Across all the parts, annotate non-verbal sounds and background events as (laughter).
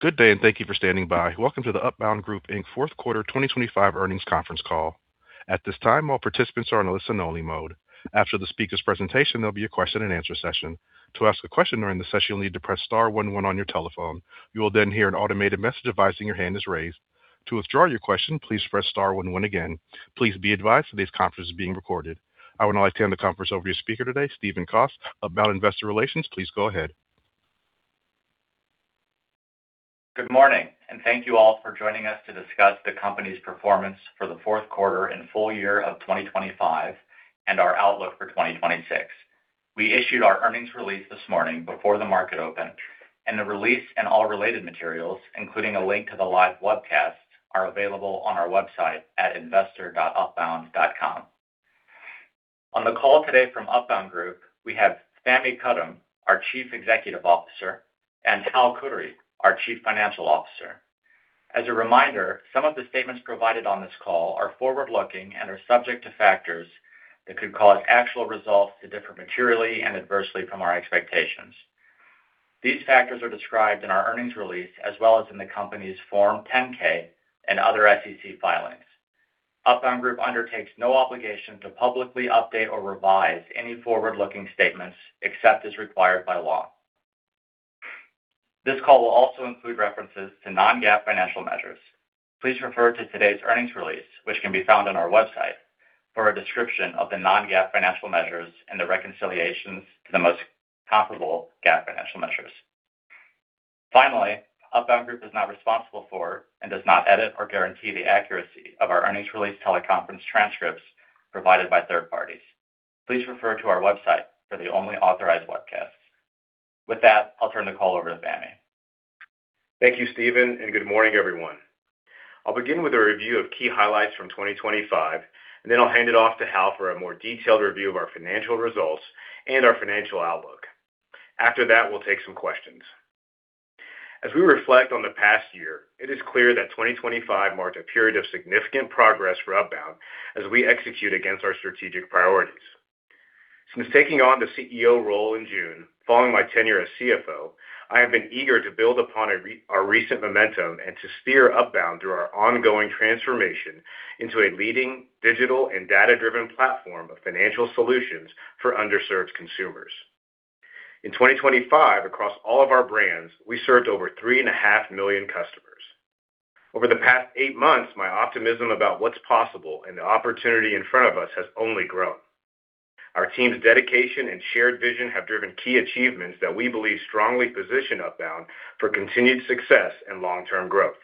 Good day, and thank you for standing by. Welcome to the Upbound Group Inc. Q4 2025 Earnings Conference Call. At this time, all participants are in a listen-only mode. After the speaker's presentation, there'll be a question-and-answer session. To ask a question during the session, you'll need to press star one one on your telephone. You will then hear an automated message advising your hand is raised. To withdraw your question, please press star one one again. Please be advised that this conference is being recorded. I would now like to hand the conference over to your speaker today, Steven Kos, Upbound Investor Relations. Please go ahead. Good morning, and thank you all for joining us to discuss the company's performance for the Q4 and full year of 2025 and our outlook for 2026. We issued our earnings release this morning before the market opened, and the release and all related materials, including a link to the live webcast, are available on our website at investor.upbound.com. On the call today from Upbound Group, we have Fahmi Karam, our Chief Executive Officer, and Hal Khouri, our Chief Financial Officer. As a reminder, some of the statements provided on this call are forward-looking and are subject to factors that could cause actual results to differ materially and adversely from our expectations. These factors are described in our earnings release, as well as in the company's Form 10-K and other SEC filings. Upbound Group undertakes no obligation to publicly update or revise any forward-looking statements except as required by law. This call will also include references to non-GAAP financial measures. Please refer to today's earnings release, which can be found on our website, for a description of the non-GAAP financial measures and the reconciliations to the most comparable GAAP financial measures. Finally, Upbound Group is not responsible for and does not edit or guarantee the accuracy of our earnings release teleconference transcripts provided by third parties. Please refer to our website for the only authorized webcast. With that, I'll turn the call over to Fahmi. Thank you, Steven, and good morning, everyone. I'll begin with a review of key highlights from 2025, and then I'll hand it off to Hal for a more detailed review of our financial results and our financial outlook. After that, we'll take some questions. As we reflect on the past year, it is clear that 2025 marked a period of significant progress for Upbound as we execute against our strategic priorities. Since taking on the CEO role in June, following my tenure as CFO, I have been eager to build upon our recent momentum and to steer Upbound through our ongoing transformation into a leading digital and data-driven platform of financial solutions for underserved consumers. In 2025, across all of our brands, we served over 3.500,000 customers. Over the past eight months, my optimism about what's possible and the opportunity in front of us has only grown. Our team's dedication and shared vision have driven key achievements that we believe strongly position Upbound for continued success and long-term growth.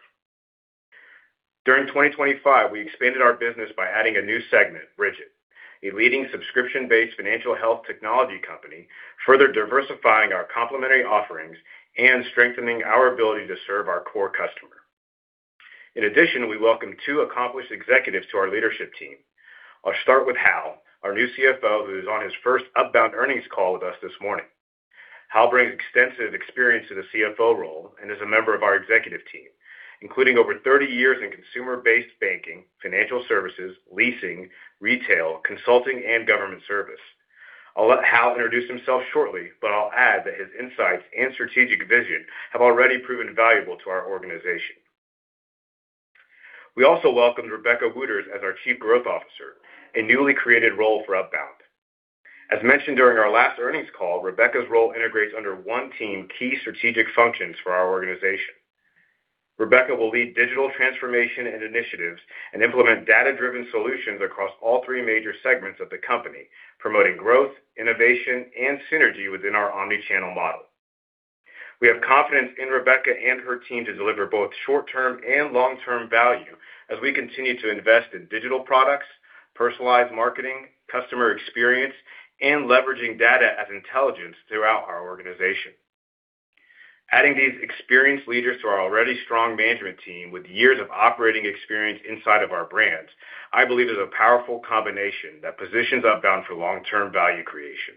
During 2025, we expanded our business by adding a new segment, Brigit, a leading subscription-based financial health technology company, further diversifying our complementary offerings and strengthening our ability to serve our core customer. In addition, we welcomed two accomplished executives to our leadership team. I'll start with Hal, our new CFO, who is on his first Upbound earnings call with us this morning. Hal brings extensive experience to the CFO role and is a member of our executive team, including over 30 years in consumer-based banking, financial services, leasing, retail, consulting, and government service. I'll let Hal introduce himself shortly, but I'll add that his insights and strategic vision have already proven valuable to our organization. We also welcomed Rebecca Wooters as our Chief Growth Officer, a newly created role for Upbound. As mentioned during our last earnings call, Rebecca's role integrates under one team, key strategic functions for our organization. Rebecca will lead digital transformation and initiatives and implement data-driven solutions across all three major segments of the company, promoting growth, innovation, and synergy within our omnichannel model. We have confidence in Rebecca and her team to deliver both short-term and long-term value as we continue to invest in digital products, personalized marketing, customer experience, and leveraging data as intelligence throughout our organization. Adding these experienced leaders to our already strong management team with years of operating experience inside of our brands, I believe, is a powerful combination that positions Upbound for long-term value creation.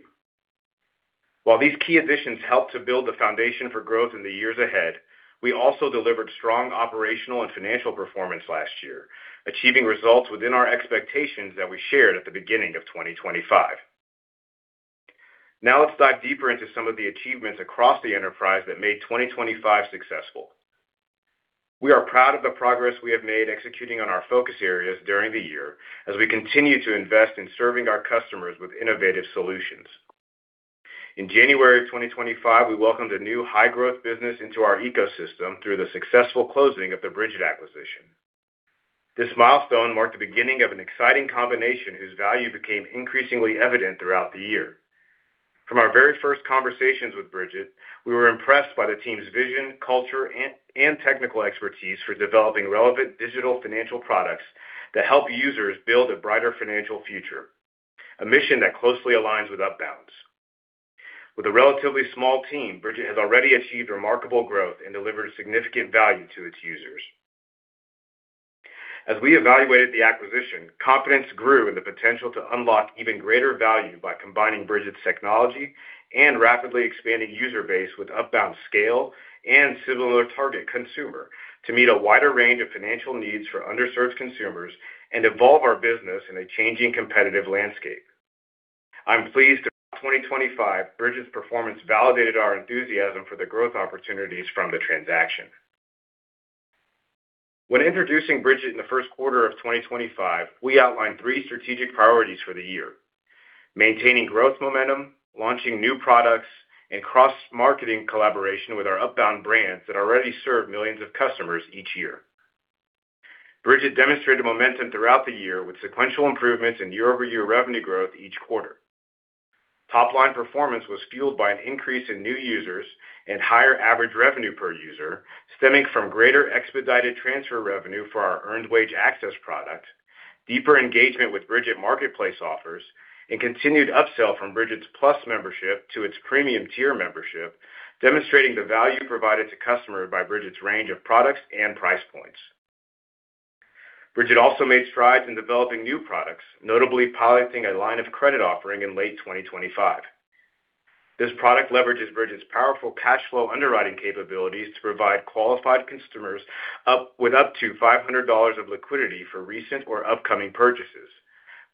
While these key additions help to build the foundation for growth in the years ahead, we also delivered strong operational and financial performance last year, achieving results within our expectations that we shared at the beginning of 2025. Now, let's dive deeper into some of the achievements across the enterprise that made 2025 successful. We are proud of the progress we have made executing on our focus areas during the year as we continue to invest in serving our customers with innovative solutions. In January of 2025, we welcomed a new high-growth business into our ecosystem through the successful closing of the Brigit acquisition. This milestone marked the beginning of an exciting combination whose value became increasingly evident throughout the year. From our very first conversations with Brigit, we were impressed by the team's vision, culture, and technical expertise for developing relevant digital financial products that help users build a brighter financial future, a mission that closely aligns with Upbound's. With a relatively small team, Brigit has already achieved remarkable growth and delivered significant value to its users. As we evaluated the acquisition, confidence grew in the potential to unlock even greater value by combining Brigit's technology and rapidly expanding user base with Upbound's scale and similar target consumer to meet a wider range of financial needs for underserved consumers and evolve our business in a changing competitive landscape. I'm pleased to share that in 2025, Brigit's performance validated our enthusiasm for the growth opportunities from the transaction. When introducing Brigit in the Q1 of 2025, we outlined three strategic priorities for the year: maintaining growth momentum, launching new products, and cross-marketing collaboration with our Upbound brands that already serve millions of customers each year. Brigit demonstrated momentum throughout the year with sequential improvements in year-over-year revenue growth each quarter. Top-line performance was fueled by an increase in new users and higher average revenue per user, stemming from greater expedited transfer revenue for our earned wage access product, deeper engagement with Brigit Marketplace offers, and continued upsell from Brigit's Plus membership to its Premium tier membership, demonstrating the value provided to customers by Brigit's range of products and price points. Brigit also made strides in developing new products, notably piloting a line of credit offering in late 2025. This product leverages Brigit's powerful cash flow underwriting capabilities to provide qualified customers with up to $500 of liquidity for recent or upcoming purchases,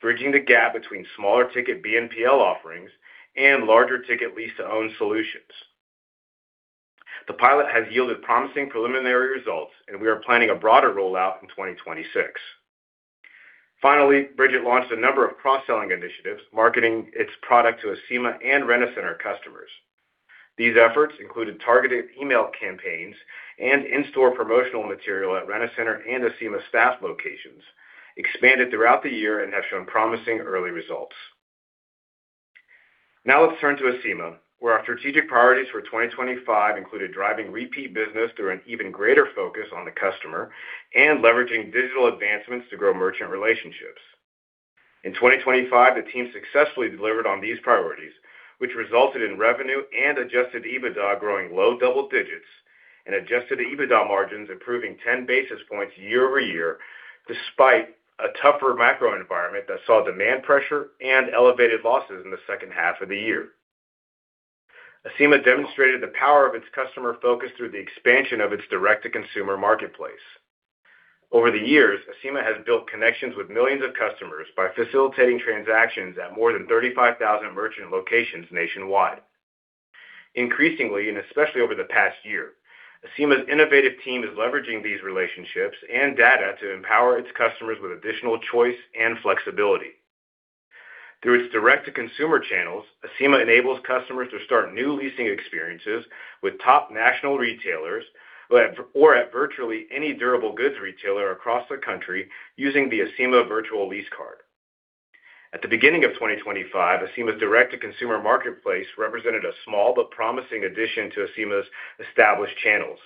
bridging the gap between smaller-ticket BNPL offerings and larger-ticket lease-to-own solutions. The pilot has yielded promising preliminary results, and we are planning a broader rollout in 2026. Finally, Brigit launched a number of cross-selling initiatives, marketing its product to Acima and Rent-A-Center customers. These efforts included targeted email campaigns and in-store promotional material at Rent-A-Center and Acima staff locations, expanded throughout the year and have shown promising early results. Now let's turn to Acima, where our strategic priorities for 2025 included driving repeat business through an even greater focus on the customer and leveraging digital advancements to grow merchant relationships. In 2025, the team successfully delivered on these priorities, which resulted in revenue and adjusted EBITDA growing low double digits and Adjusted EBITDA margins improving 10 basis points year-over-year, despite a tougher macro environment that saw demand pressure and elevated losses in the second half of the year. Acima demonstrated the power of its customer focus through the expansion of its direct-to-consumer marketplace. Over the years, Acima has built connections with millions of customers by facilitating transactions at more than 35,000 merchant locations nationwide. Increasingly, and especially over the past year, Acima's innovative team is leveraging these relationships and data to empower its customers with additional choice and flexibility. Through its direct-to-consumer channels, Acima enables customers to start new leasing experiences with top national retailers or at virtually any durable goods retailer across the country using the Acima Virtual Lease Card. At the beginning of 2025, Acima's direct-to-consumer marketplace represented a small but promising addition to Acima's established channels.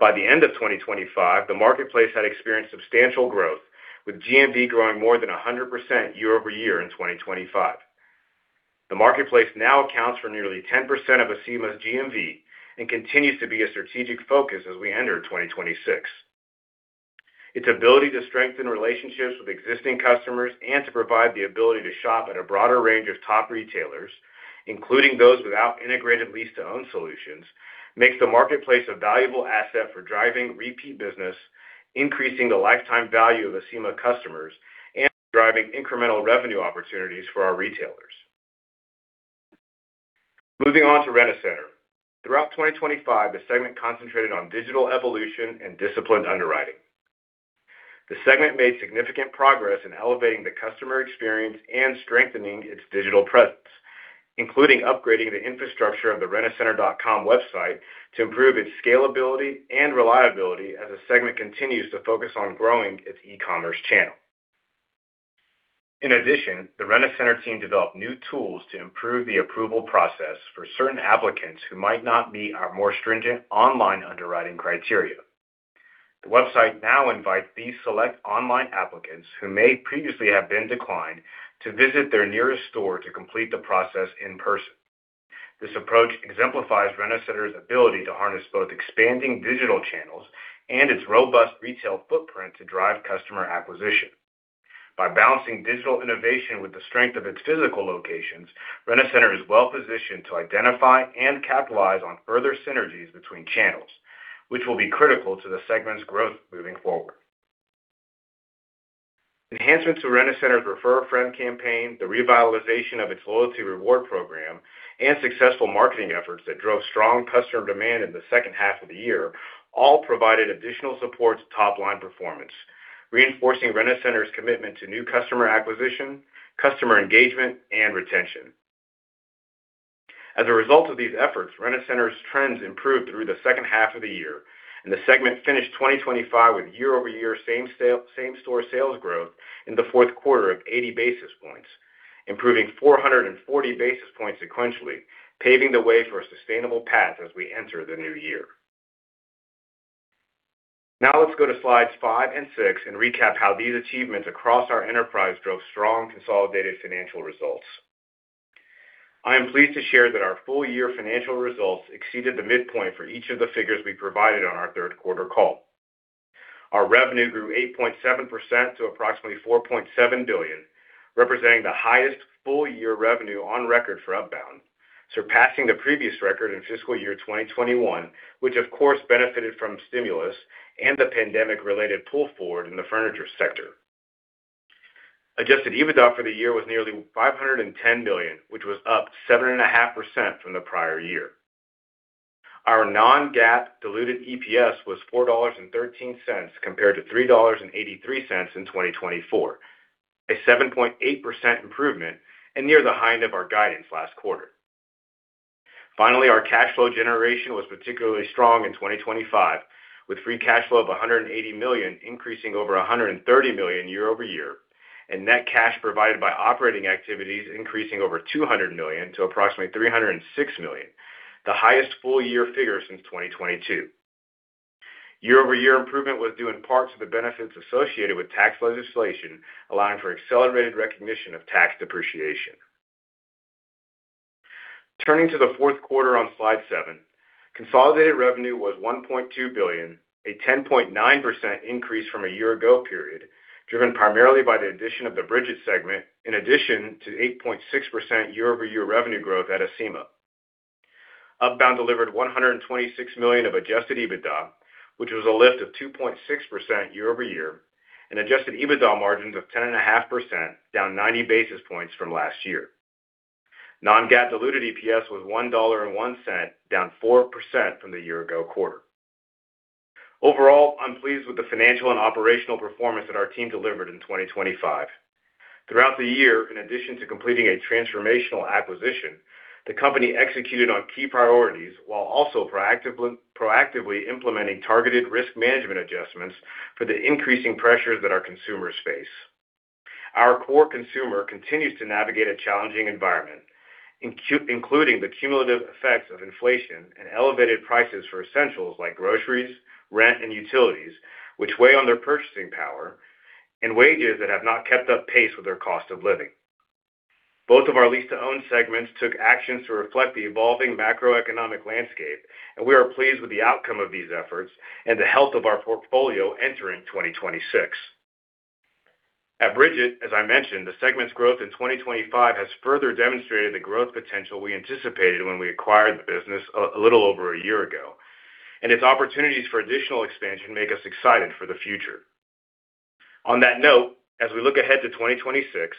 By the end of 2025, the marketplace had experienced substantial growth, with GMV growing more than 100% year-over-year in 2025. The marketplace now accounts for nearly 10% of Acima's GMV and continues to be a strategic focus as we enter 2026. Its ability to strengthen relationships with existing customers and to provide the ability to shop at a broader range of top retailers, including those without integrated lease-to-own solutions, makes the marketplace a valuable asset for driving repeat business, increasing the lifetime value of Acima customers, and driving incremental revenue opportunities for our retailers. Moving on to Rent-A-Center. Throughout 2025, the segment concentrated on digital evolution and disciplined underwriting. The segment made significant progress in elevating the customer experience and strengthening its digital presence, including upgrading the infrastructure of the Rent-A-Center.com website to improve its scalability and reliability as the segment continues to focus on growing its e-commerce channel. In addition, the Rent-A-Center team developed new tools to improve the approval process for certain applicants who might not meet our more stringent online underwriting criteria. The website now invites these select online applicants, who may previously have been declined, to visit their nearest store to complete the process in person. This approach exemplifies Rent-A-Center's ability to harness both expanding digital channels and its robust retail footprint to drive customer acquisition. By balancing digital innovation with the strength of its physical locations, Rent-A-Center is well-positioned to identify and capitalize on further synergies between channels, which will be critical to the segment's growth moving forward. Enhancements to Rent-A-Center's Refer a Friend campaign, the revitalization of its loyalty reward program, and successful marketing efforts that drove strong customer demand in the second half of the year, all provided additional support to top-line performance, reinforcing Rent-A-Center's commitment to new customer acquisition, customer engagement, and retention. As a result of these efforts, Rent-A-Center's trends improved through the second half of the year, and the segment finished 2025 with year-over-year same-store sales growth in the Q4 of 80 basis points, improving 440 basis points sequentially, paving the way for a sustainable path as we enter the new year. Now let's go to slides five and six and recap how these achievements across our enterprise drove strong consolidated financial results. I am pleased to share that our full-year financial results exceeded the midpoint for each of the figures we provided on our Q3 call. Our revenue grew 8.7% to approximately $4.7 billion, representing the highest full-year revenue on record for Upbound surpassing the previous record in fiscal year 2021, which of course, benefited from stimulus and the pandemic-related pull forward in the furniture sector. Adjusted EBITDA for the year was nearly $510 million, which was up 7.5% from the prior year. Our non-GAAP diluted EPS was $4.13, compared to $3.83 in 2024, a 7.8% improvement and near the high end of our guidance last quarter. Finally, our cash flow generation was particularly strong in 2025, with free cash flow of $180 million, increasing over $130 million year-over-year, and net cash provided by operating activities increasing over $200 million to approximately $306 million, the highest full-year figure since 2022. Year-over-year improvement was due in part to the benefits associated with tax legislation, allowing for accelerated recognition of tax depreciation. Turning to the Q4 on slide seven, consolidated revenue was $1.2 billion, a 10.9% increase from a year ago period, driven primarily by the addition of the Brigit segment, in addition to 8.6% year-over-year revenue growth at Acima. Upbound delivered $126 million of adjusted EBITDA, which was a lift of 2.6% year-over-year, and adjusted EBITDA margins of 10.5%, down 90 basis points from last year. Non-GAAP diluted EPS was $1.01, down 4% from the year-ago quarter. Overall, I'm pleased with the financial and operational performance that our team delivered in 2025. Throughout the year, in addition to completing a transformational acquisition, the company executed on key priorities while also proactively implementing targeted risk management adjustments for the increasing pressures that our consumers face. Our core consumer continues to navigate a challenging environment, including the cumulative effects of inflation and elevated prices for essentials like groceries, rent, and utilities, which weigh on their purchasing power and wages that have not kept pace with their cost of living. Both of our lease-to-own segments took actions to reflect the evolving macroeconomic landscape, and we are pleased with the outcome of these efforts and the health of our portfolio entering 2026. At Brigit, as I mentioned, the segment's growth in 2025 has further demonstrated the growth potential we anticipated when we acquired the business a little over a year ago, and its opportunities for additional expansion make us excited for the future. On that note, as we look ahead to 2026,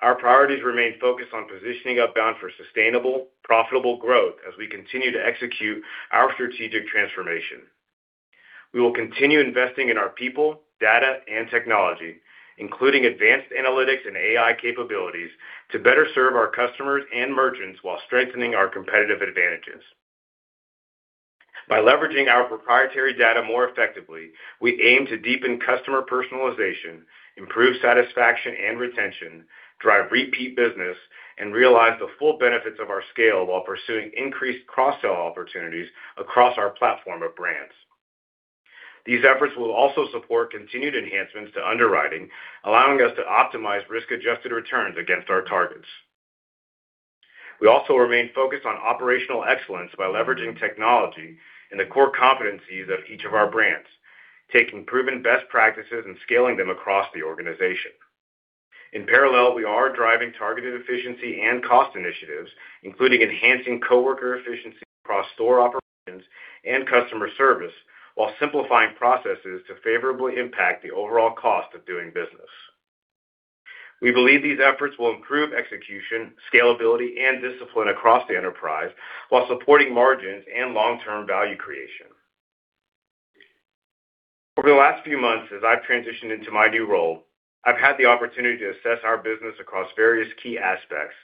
our priorities remain focused on positioning Upbound for sustainable, profitable growth as we continue to execute our strategic transformation. We will continue investing in our people, data, and technology, including advanced analytics and AI capabilities, to better serve our customers and merchants while strengthening our competitive advantages. By leveraging our proprietary data more effectively, we aim to deepen customer personalization, improve satisfaction and retention, drive repeat business, and realize the full benefits of our scale while pursuing increased cross-sell opportunities across our platform of brands. These efforts will also support continued enhancements to underwriting, allowing us to optimize risk-adjusted returns against our targets. We also remain focused on operational excellence by leveraging technology and the core competencies of each of our brands, taking proven best practices and scaling them across the organization. In parallel, we are driving targeted efficiency and cost initiatives, including enhancing coworker efficiency across store operations and customer service, while simplifying processes to favorably impact the overall cost of doing business. We believe these efforts will improve execution, scalability, and discipline across the enterprise while supporting margins and long-term value creation. Over the last few months, as I've transitioned into my new role, I've had the opportunity to assess our business across various key aspects,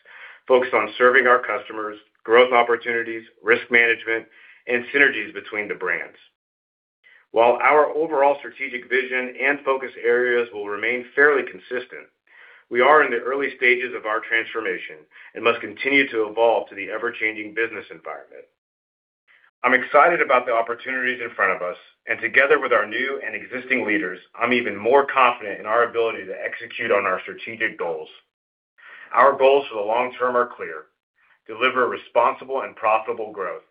focused on serving our customers, growth opportunities, risk management, and synergies between the brands. While our overall strategic vision and focus areas will remain fairly consistent, we are in the early stages of our transformation and must continue to evolve to the ever-changing business environment. I'm excited about the opportunities in front of us, and together with our new and existing leaders, I'm even more confident in our ability to execute on our strategic goals. Our goals for the long term are clear: deliver responsible and profitable growth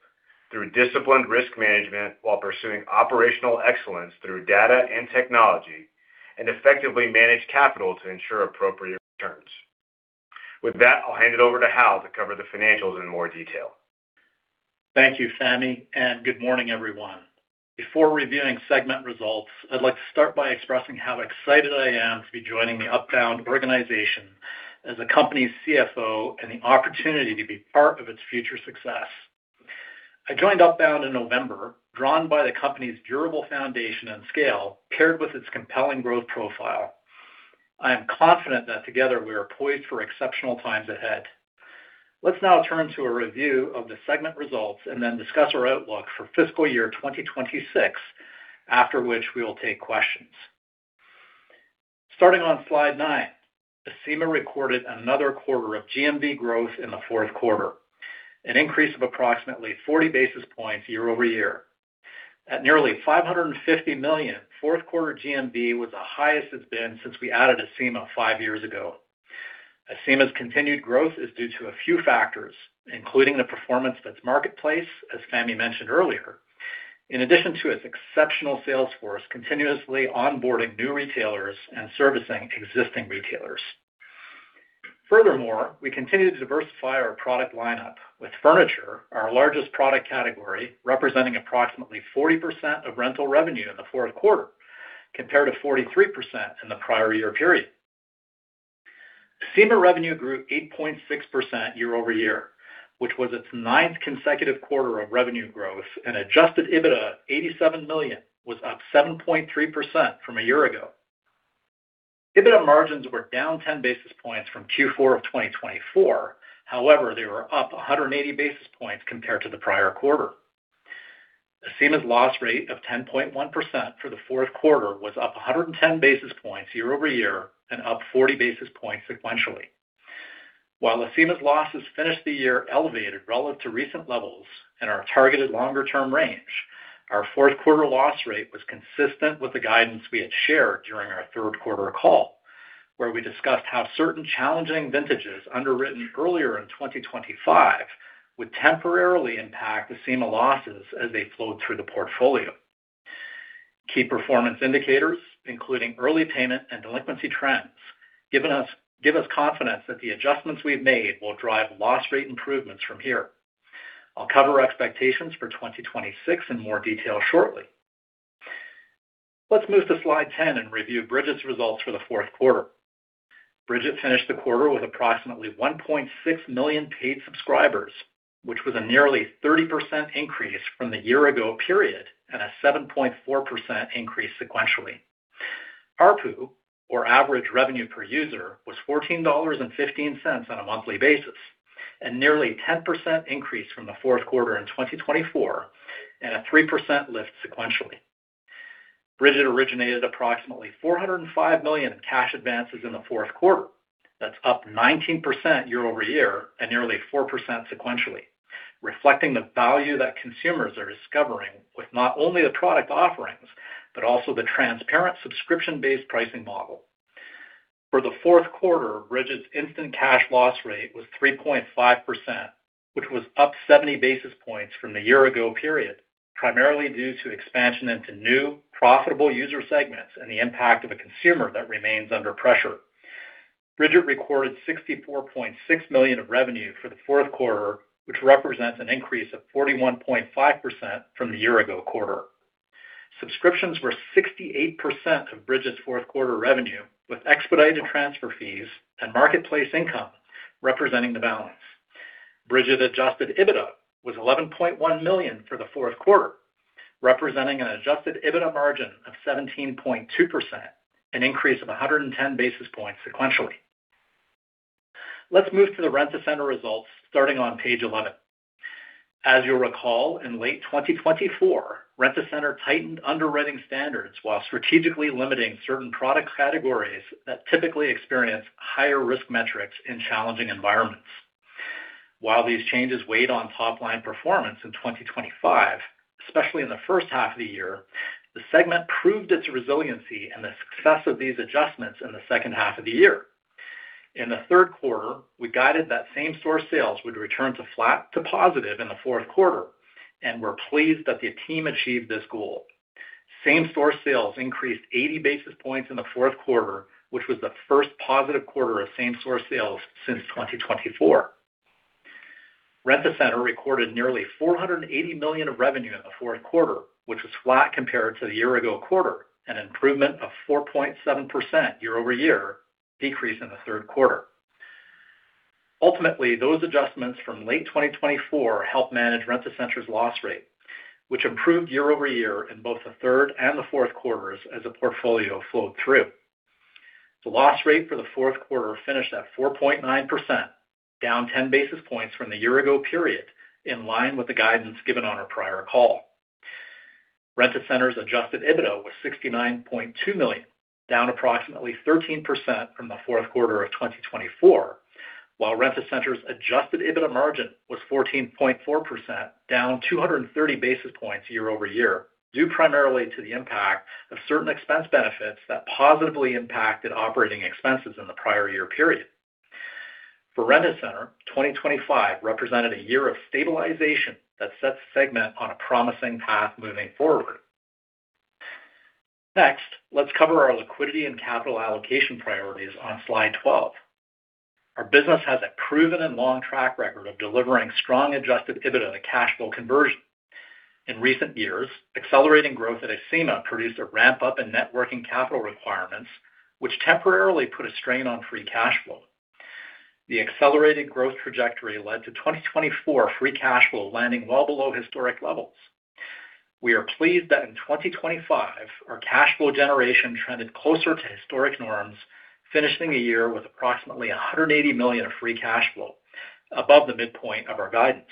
through disciplined risk management, while pursuing operational excellence through data and technology, and effectively manage capital to ensure appropriate returns. With that, I'll hand it over to Hal to cover the financials in more detail. Thank you, Fahmi, and good morning, everyone. Before reviewing segment results, I'd like to start by expressing how excited I am to be joining the Upbound organization as the company's CFO and the opportunity to be part of its future success. I joined Upbound in November, drawn by the company's durable foundation and scale, paired with its compelling growth profile. I am confident that together we are poised for exceptional times ahead. Let's now turn to a review of the segment results and then discuss our outlook for fiscal year 2026, after which we will take questions. Starting on slide 9, Acima recorded another quarter of GMV growth in the Q4, an increase of approximately 40 basis points year-over-year. At nearly $550 million, Q4 GMV was the highest it's been since we added Acima five years ago. Acima's continued growth is due to a few factors, including the performance of its marketplace, as Fahmi mentioned earlier. In addition to its exceptional sales force continuously onboarding new retailers and servicing existing retailers. Furthermore, we continue to diversify our product lineup with furniture, our largest product category, representing approximately 40% of rental revenue in the Q4, compared to 43% in the prior year period. Acima revenue grew 8.6% year-over-year, which was its ninth consecutive quarter of revenue growth, and adjusted EBITDA, $87 million, was up 7.3% from a year ago. EBITDA margins were down 10 basis points from Q4 of 2024. However, they were up 180 basis points compared to the prior quarter. Acima's loss rate of 10.1% for the Q4 was up 110 basis points year-over-year and up 40 basis points sequentially. While Acima's losses finished the year elevated relative to recent levels and our targeted longer-term range, our Q4 loss rate was consistent with the guidance we had shared during our Q3 call, where we discussed how certain challenging vintages underwritten earlier in 2025 would temporarily impact Acima losses as they flowed through the portfolio. Key performance indicators, including early payment and delinquency trends, give us confidence that the adjustments we've made will drive loss rate improvements from here. I'll cover our expectations for 2026 in more detail shortly. Let's move to Slide 10 and review Brigit's results for the Q4. Brigit finished the quarter with approximately 1.600,000 paid subscribers, which was a nearly 30% increase from the year-ago period and a 7.4% increase sequentially. ARPU, or average revenue per user, was $14.15 on a monthly basis, and nearly 10% increase from the Q4 in 2024, and a 3% lift sequentially. Brigit originated approximately $405 million in cash advances in the Q4. That's up 19% year-over-year and nearly 4% sequentially, reflecting the value that consumers are discovering with not only the product offerings, but also the transparent subscription-based pricing model. For the Q4, Brigit's instant cash loss rate was 3.5%, which was up 70 basis points from the year-ago period, primarily due to expansion into new, profitable user segments and the impact of a consumer that remains under pressure. Brigit recorded $64.6 million of revenue for the Q4, which represents an increase of 41.5% from the year-ago quarter. Subscriptions were 68% of Brigit's Q4 revenue, with expedited transfer fees and marketplace income representing the balance. Brigit adjusted EBITDA was $11.1 million for the Q4, representing an adjusted EBITDA margin of 17.2%, an increase of 110 basis points sequentially. Let's move to the Rent-A-Center results, starting on page 11. As you'll recall, in late 2024, Rent-A-Center tightened underwriting standards while strategically limiting certain product categories that typically experience higher risk metrics in challenging environments. While these changes weighed on top-line performance in 2025, especially in the first half of the year, the segment proved its resiliency and the success of these adjustments in the second half of the year. In the Q3, we guided that same-store sales would return to flat to positive in the Q4, and we're pleased that the team achieved this goal. Same-store sales increased 80 basis points in the Q4, which was the first positive quarter of same-store sales since 2024. Rent-A-Center recorded nearly $480 million of revenue in the Q4, which was flat compared to the year-ago quarter, an improvement of 4.7% year-over-year, decrease in the Q3. Ultimately, those adjustments from late 2024 helped manage Rent-A-Center's loss rate, which improved year-over-year in both the third and the Q4s as the portfolio flowed through. The loss rate for the Q4 finished at 4.9%, down 10 basis points from the year-ago period, in line with the guidance given on our prior call. Rent-A-Center's adjusted EBITDA was $69.2 million, down approximately 13% from the Q4 of 2024, while Rent-A-Center's adjusted EBITDA margin was 14.4%, down 230 basis points year-over-year, due primarily to the impact of certain expense benefits that positively impacted operating expenses in the prior year period. For Rent-A-Center, 2025 represented a year of stabilization that sets the segment on a promising path moving forward. Next, let's cover our liquidity and capital allocation priorities on Slide 12. Our business has a proven and long track record of delivering strong adjusted EBITDA to cash flow conversion. In recent years, accelerating growth at Acima produced a ramp-up in net working capital requirements, which temporarily put a strain on free cash flow. The accelerated growth trajectory led to 2024 free cash flow landing well below historic levels. We are pleased that in 2025, our cash flow generation trended closer to historic norms, finishing the year with approximately $180 million of free cash flow, above the midpoint of our guidance.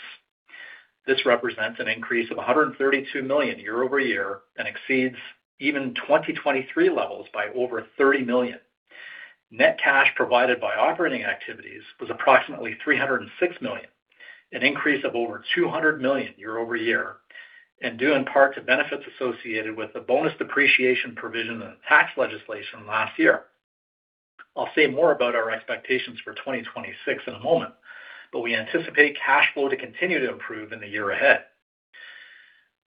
This represents an increase of $132 million year-over-year and exceeds even 2023 levels by over $30 million. Net cash provided by operating activities was approximately $306 million, an increase of over $200 million year-over-year, and due in part to benefits associated with the bonus depreciation provision and tax legislation last year. I'll say more about our expectations for 2026 in a moment, but we anticipate cash flow to continue to improve in the year ahead.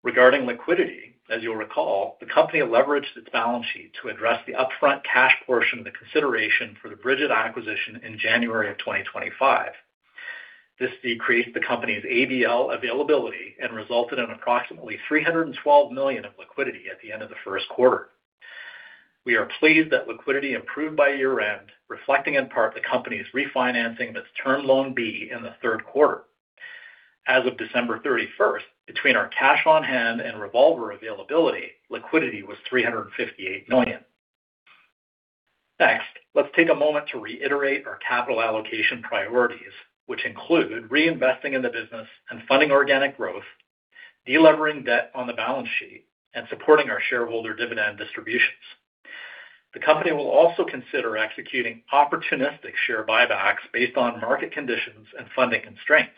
Regarding liquidity, as you'll recall, the company leveraged its balance sheet to address the upfront cash portion of the consideration for the Brigit acquisition in January of 2025. This decreased the company's ABL availability and resulted in approximately $312 million of liquidity at the end of the Q1. We are pleased that liquidity improved by year-end, reflecting in part the company's refinancing its Term Loan B in the Q3. As of December 31, between our cash on hand and revolver availability, liquidity was $358 million. Next, let's take a moment to reiterate our capital allocation priorities, which include reinvesting in the business and funding organic growth, delevering debt on the balance sheet, and supporting our shareholder dividend distributions. The company will also consider executing opportunistic share buybacks based on market conditions and funding constraints.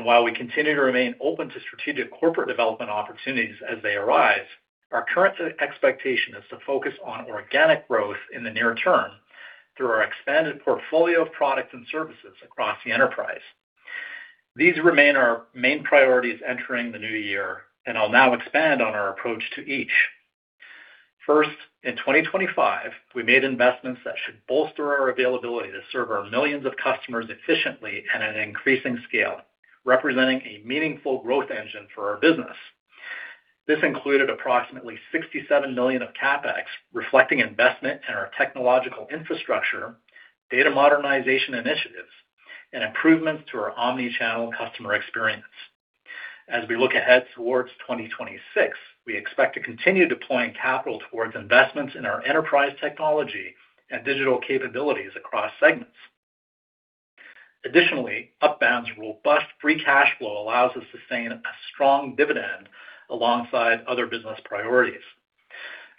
While we continue to remain open to strategic corporate development opportunities as they arise, our current expectation is to focus on organic growth in the near term through our expanded portfolio of products and services across the enterprise. These remain our main priorities entering the new year, and I'll now expand on our approach to each. First, in 2025, we made investments that should bolster our availability to serve our millions of customers efficiently and at an increasing scale, representing a meaningful growth engine for our business. This included approximately $67 million of CapEx, reflecting investment in our technological infrastructure, data modernization initiatives, and improvements to our omni-channel customer experience. As we look ahead towards 2026, we expect to continue deploying capital towards investments in our enterprise technology and digital capabilities across segments. Additionally, Upbound's robust free cash flow allows us to sustain a strong dividend alongside other business priorities.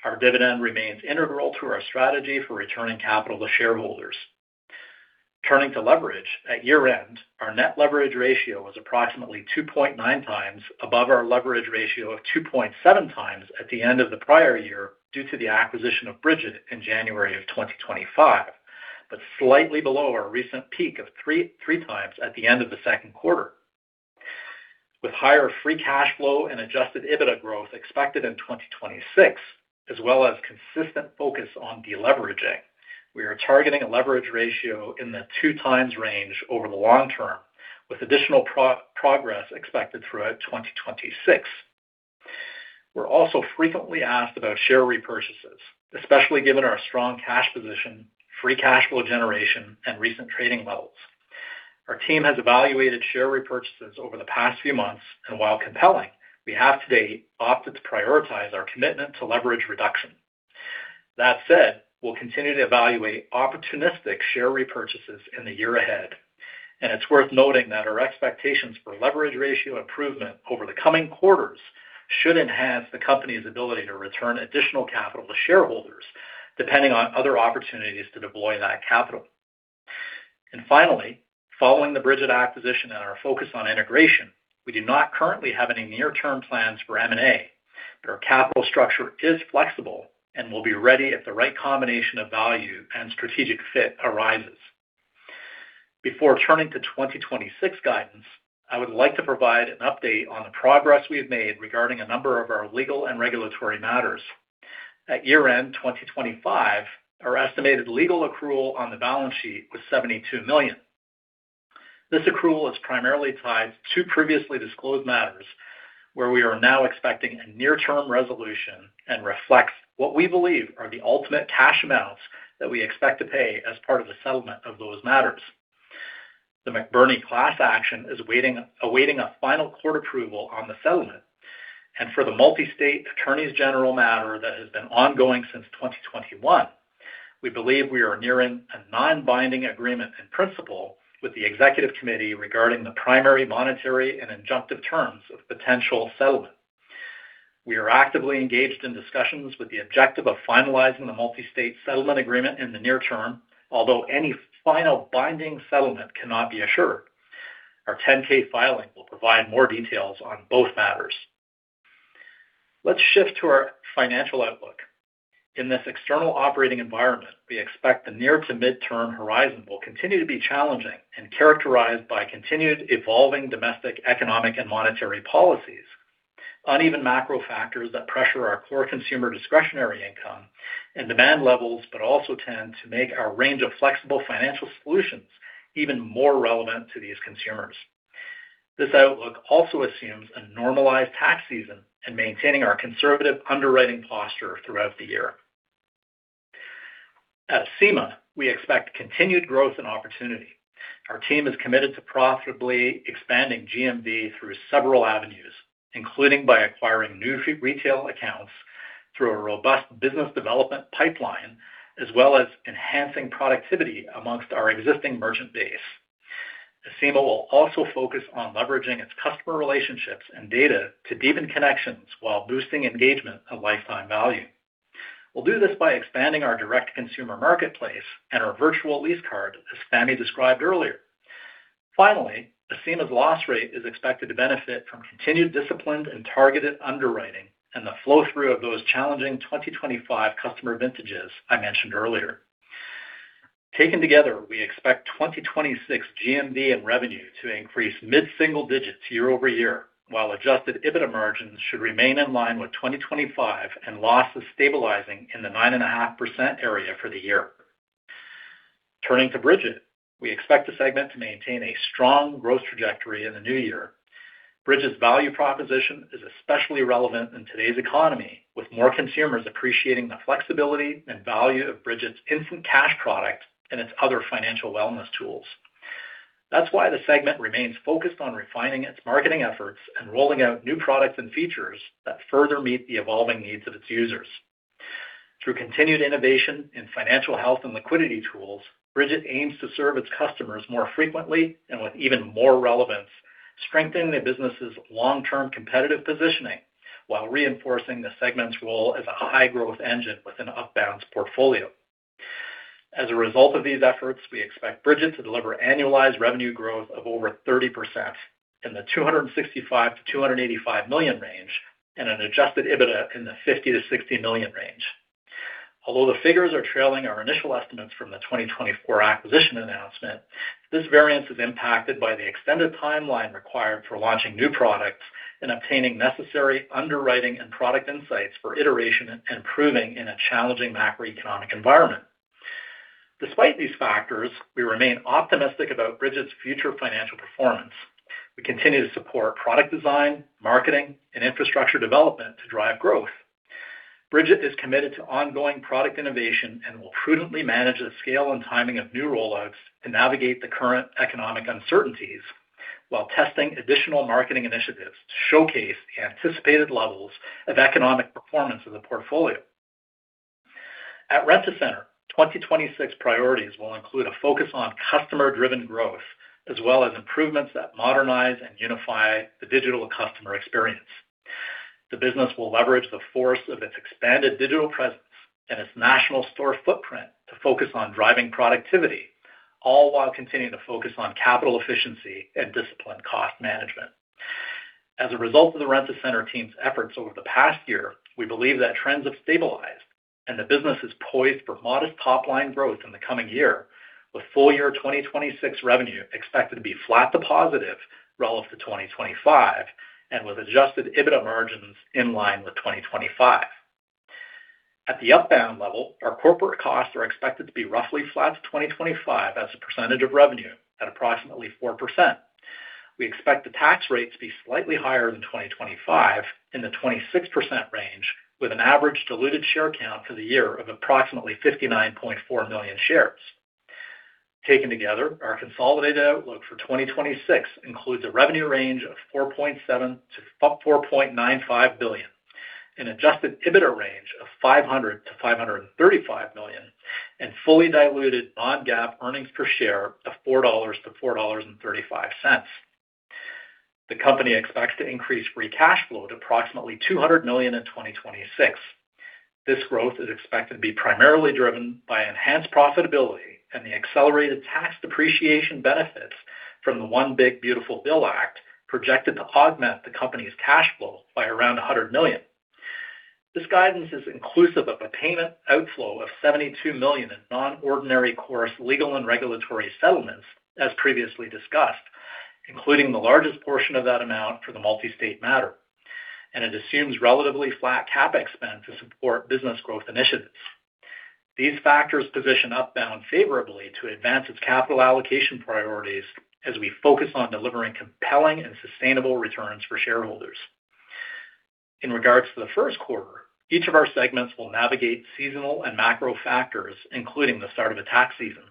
Our dividend remains integral to our strategy for returning capital to shareholders. Turning to leverage, at year-end, our net leverage ratio was approximately 2.9x above our leverage ratio of 2.7x at the end of the prior year, due to the acquisition of Brigit in January of 2025, but slightly below our recent peak of 3.3x at the end of the Q2. With higher free cash flow and adjusted EBITDA growth expected in 2026, as well as consistent focus on deleveraging, we are targeting a leverage ratio in the 2x range over the long term, with additional progress expected throughout 2026. We're also frequently asked about share repurchases, especially given our strong cash position, free cash flow generation, and recent trading levels. Our team has evaluated share repurchases over the past few months, and while compelling, we have today opted to prioritize our commitment to leverage reduction. That said, we'll continue to evaluate opportunistic share repurchases in the year ahead, and it's worth noting that our expectations for leverage ratio improvement over the coming quarters should enhance the company's ability to return additional capital to shareholders, depending on other opportunities to deploy that capital. And finally, following the Brigit acquisition and our focus on integration, we do not currently have any near-term plans for M&A. But our capital structure is flexible and will be ready if the right combination of value and strategic fit arises. Before turning to 2026 guidance, I would like to provide an update on the progress we've made regarding a number of our legal and regulatory matters. At year-end 2025, our estimated legal accrual on the balance sheet was $72 million. This accrual is primarily tied to previously disclosed matters, where we are now expecting a near-term resolution and reflects what we believe are the ultimate cash amounts that we expect to pay as part of the settlement of those matters. The McBurnie class action is awaiting a final court approval on the settlement, and for the Multistate Attorneys General matter that has been ongoing since 2021, we believe we are nearing a non-binding agreement in principle with the executive committee regarding the primary monetary and injunctive terms of potential settlement. We are actively engaged in discussions with the objective of finalizing the Multistate settlement agreement in the near term, although any final binding settlement cannot be assured. Our 10-K filing will provide more details on both matters. Let's shift to our financial outlook. In this external operating environment, we expect the near to midterm horizon will continue to be challenging and characterized by continued evolving domestic, economic, and monetary policies, uneven macro factors that pressure our core consumer discretionary income and demand levels, but also tend to make our range of flexible financial solutions even more relevant to these consumers. This outlook also assumes a normalized tax season and maintaining our conservative underwriting posture throughout the year. At Acima, we expect continued growth and opportunity. Our team is committed to profitably expanding GMV through several avenues, including by acquiring new retail accounts through a robust business development pipeline, as well as enhancing productivity among our existing merchant base. Acima will also focus on leveraging its customer relationships and data to deepen connections while boosting engagement and lifetime value. We'll do this by expanding our direct-to-consumer marketplace and our virtual lease card, as Fahmi described earlier. Finally, the Acima's loss rate is expected to benefit from continued disciplined and targeted underwriting and the flow through of those challenging 2025 customer vintages I mentioned earlier. Taken together, we expect 2026 GMV and revenue to increase mid-single digits year-over-year, while adjusted EBITDA margins should remain in line with 2025 and losses stabilizing in the 9.5% area for the year. Turning to Brigit, we expect the segment to maintain a strong growth trajectory in the new year. Brigit's value proposition is especially relevant in today's economy, with more consumers appreciating the flexibility and value of Brigit's instant cash product and its other financial wellness tools. That's why the segment remains focused on refining its marketing efforts and rolling out new products and features that further meet the evolving needs of its users. Through continued innovation in financial health and liquidity tools, Brigit aims to serve its customers more frequently and with even more relevance, strengthening the business's long-term competitive positioning, while reinforcing the segment's role as a high-growth engine with an Upbound's portfolio. As a result of these efforts, we expect Brigit to deliver annualized revenue growth of over 30% in the $265 million-$285 million range and an adjusted EBITDA in the $50 million-$60 million range. Although the figures are trailing our initial estimates from the 2024 acquisition announcement, this variance is impacted by the extended timeline required for launching new products and obtaining necessary underwriting and product insights for iteration and improving in a challenging macroeconomic environment. Despite these factors, we remain optimistic about Brigit's future financial performance. We continue to support product design, marketing and infrastructure development to drive growth. Brigit is committed to ongoing product innovation and will prudently manage the scale and timing of new rollouts to navigate the current economic uncertainties, while testing additional marketing initiatives to showcase the anticipated levels of economic performance of the portfolio. At Rent-A-Center, 2026 priorities will include a focus on customer-driven growth, as well as improvements that modernize and unify the digital customer experience. The business will leverage the force of its expanded digital presence and its national store footprint to focus on driving productivity, all while continuing to focus on capital efficiency and disciplined cost management. As a result of the Rent-A-Center team's efforts over the past year, we believe that trends have stabilized and the business is poised for modest top-line growth in the coming year, with full year 2026 revenue expected to be flat to positive relative to 2025 and with adjusted EBITDA margins in line with 2025. At the Upbound level, our corporate costs are expected to be roughly flat to 2025 as a percentage of revenue at approximately 4%. We expect the tax rate to be slightly higher than 2025, in the 26% range, with an average diluted share count for the year of approximately 59.4 million shares. Taken together, our consolidated outlook for 2026 includes a revenue range of $4.7 billion-$4.95 billion, an adjusted EBITDA range of $500 million-$535 million, and fully diluted non-GAAP earnings per share of $4-$4.35. The company expects to increase free cash flow to approximately $200 million in 2026. This growth is expected to be primarily driven by enhanced profitability and the accelerated tax depreciation benefits from the One Big Beautiful Bill Act, projected to augment the company's cash flow by around $100 million. This guidance is inclusive of a payment outflow of $72 million in non-ordinary course legal and regulatory settlements, as previously discussed, including the largest portion of that amount for the multi-state matter, and it assumes relatively flat CapEx spend to support business growth initiatives. These factors position Upbound favorably to advance its capital allocation priorities as we focus on delivering compelling and sustainable returns for shareholders. In regards to the Q1, each of our segments will navigate seasonal and macro factors, including the start of the tax season.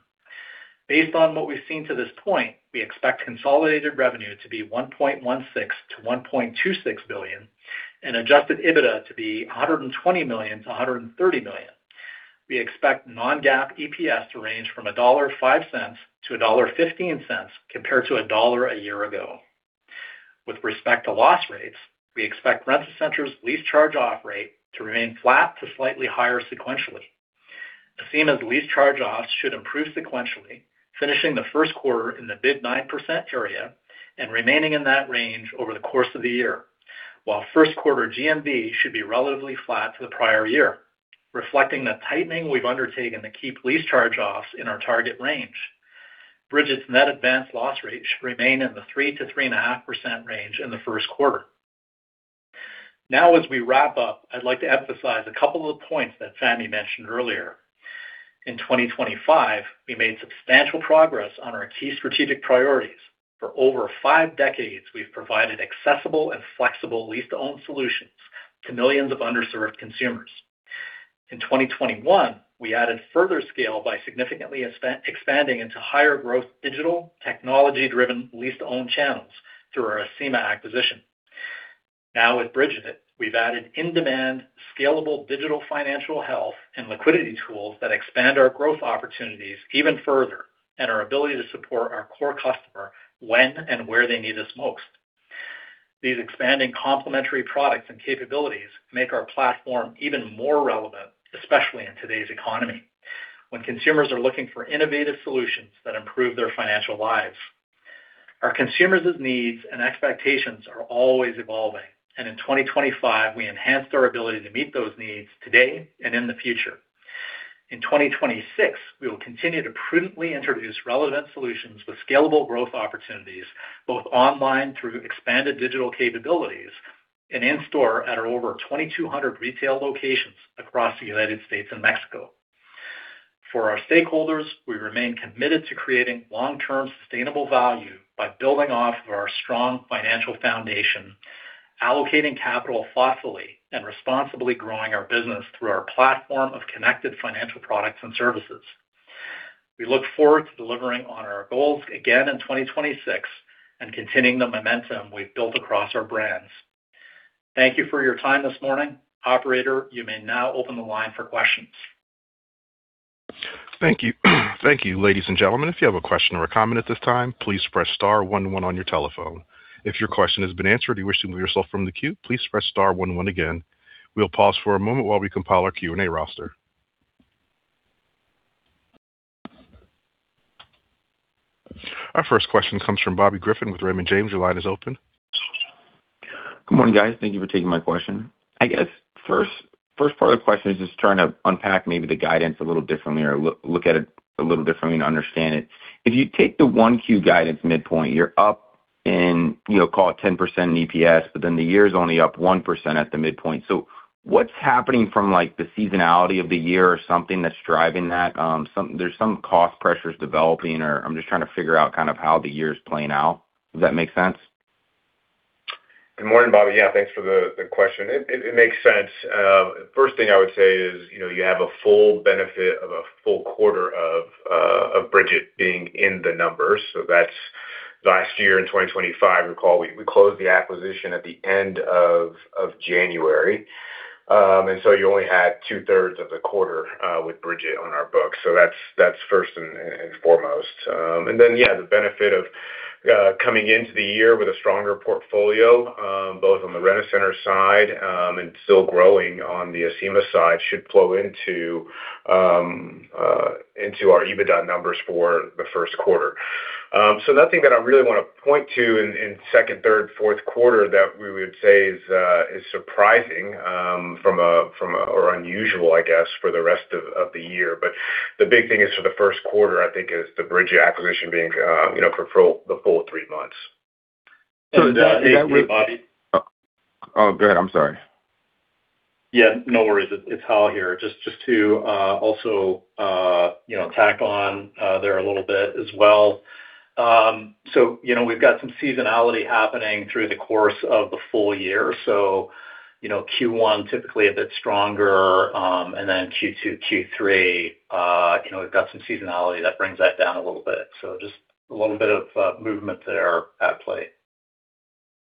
Based on what we've seen to this point, we expect consolidated revenue to be $1.16 billion-$1.26 billion and adjusted EBITDA to be $120 million-$130 million. We expect non-GAAP EPS to range from $1.05-$1.15, compared to $1 a year ago. With respect to loss rates, we expect Rent-A-Center's lease charge-off rate to remain flat to slightly higher sequentially. Acima's lease charge-offs should improve sequentially, finishing the Q1 in the mid-9% area and remaining in that range over the course of the year, while Q1 GMV should be relatively flat to the prior year, reflecting the tightening we've undertaken to keep lease charge-offs in our target range. Brigit's net advance loss rate should remain in the 3%-3.5% range in the Q1. Now, as we wrap up, I'd like to emphasize a couple of points that Fahmi mentioned earlier. In 2025, we made substantial progress on our key strategic priorities. For over five decades, we've provided accessible and flexible lease-to-own solutions to millions of underserved consumers. In 2021, we added further scale by significantly expanding into higher growth, digital, technology-driven lease-to-own channels through our Acima acquisition. Now, with Brigit, we've added in-demand, scalable digital financial health and liquidity tools that expand our growth opportunities even further and our ability to support our core customer when and where they need us most. These expanding complementary products and capabilities make our platform even more relevant, especially in today's economy, when consumers are looking for innovative solutions that improve their financial lives. Our consumers' needs and expectations are always evolving, and in 2025, we enhanced our ability to meet those needs today and in the future. In 2026, we will continue to prudently introduce relevant solutions with scalable growth opportunities, both online through expanded digital capabilities and in-store at our over 2,200 retail locations across the United States and Mexico. For our stakeholders, we remain committed to creating long-term sustainable value by building off of our strong financial foundation, allocating capital thoughtfully and responsibly growing our business through our platform of connected financial products and services. We look forward to delivering on our goals again in 2026 and continuing the momentum we've built across our brands. Thank you for your time this morning. Operator, you may now open the line for questions. Thank you. Thank you. Ladies and gentlemen, if you have a question or a comment at this time, please press star one one on your telephone. If your question has been answered, you wish to move yourself from the queue, please press star one one again. We'll pause for a moment while we compile our Q&A roster. Our first question comes from Bobby Griffin with Raymond James. Your line is open. Good morning, guys. Thank you for taking my question. I guess first, first part of the question is just trying to unpack maybe the guidance a little differently or look, look at it a little differently to understand it. If you take the 1Q guidance midpoint, you're up in, you know, call it 10% in EPS, but then the year is only up 1% at the midpoint. So what's happening from, like, the seasonality of the year or something that's driving that? There's some cost pressures developing, or I'm just trying to figure out kind of how the year is playing out. Does that make sense? Good morning, Bobby. Yeah, thanks for the question. It makes sense. First thing I would say is, you know, you have a full benefit of a full quarter of Brigit being in the numbers. So that's last year in 2025. Recall, we closed the acquisition at the end of January. And so you only had 2/3 of the quarter with Brigit on our books. So that's first and foremost. And then, yeah, the benefit of coming into the year with a stronger portfolio, both on the Rent-A-Center side and still growing on the Acima side, should flow into our EBITDA numbers for the Q1. So nothing that I really want to point to in second, third, Q4 that we would say is surprising from a or unusual, I guess, for the rest of the year. But the big thing is for the Q1, I think is the Brigit acquisition being, you know, the full three months. So, Bobby (crosstalk) Oh, go ahead. I'm sorry. Yeah, no worries. It's Hal here. Just to also, you know, tack on there a little bit as well. So, you know, we've got some seasonality happening through the course of the full year. So, you know, Q1 typically a bit stronger, and then Q2, Q3, you know, we've got some seasonality that brings that down a little bit. So just a little bit of movement there at play.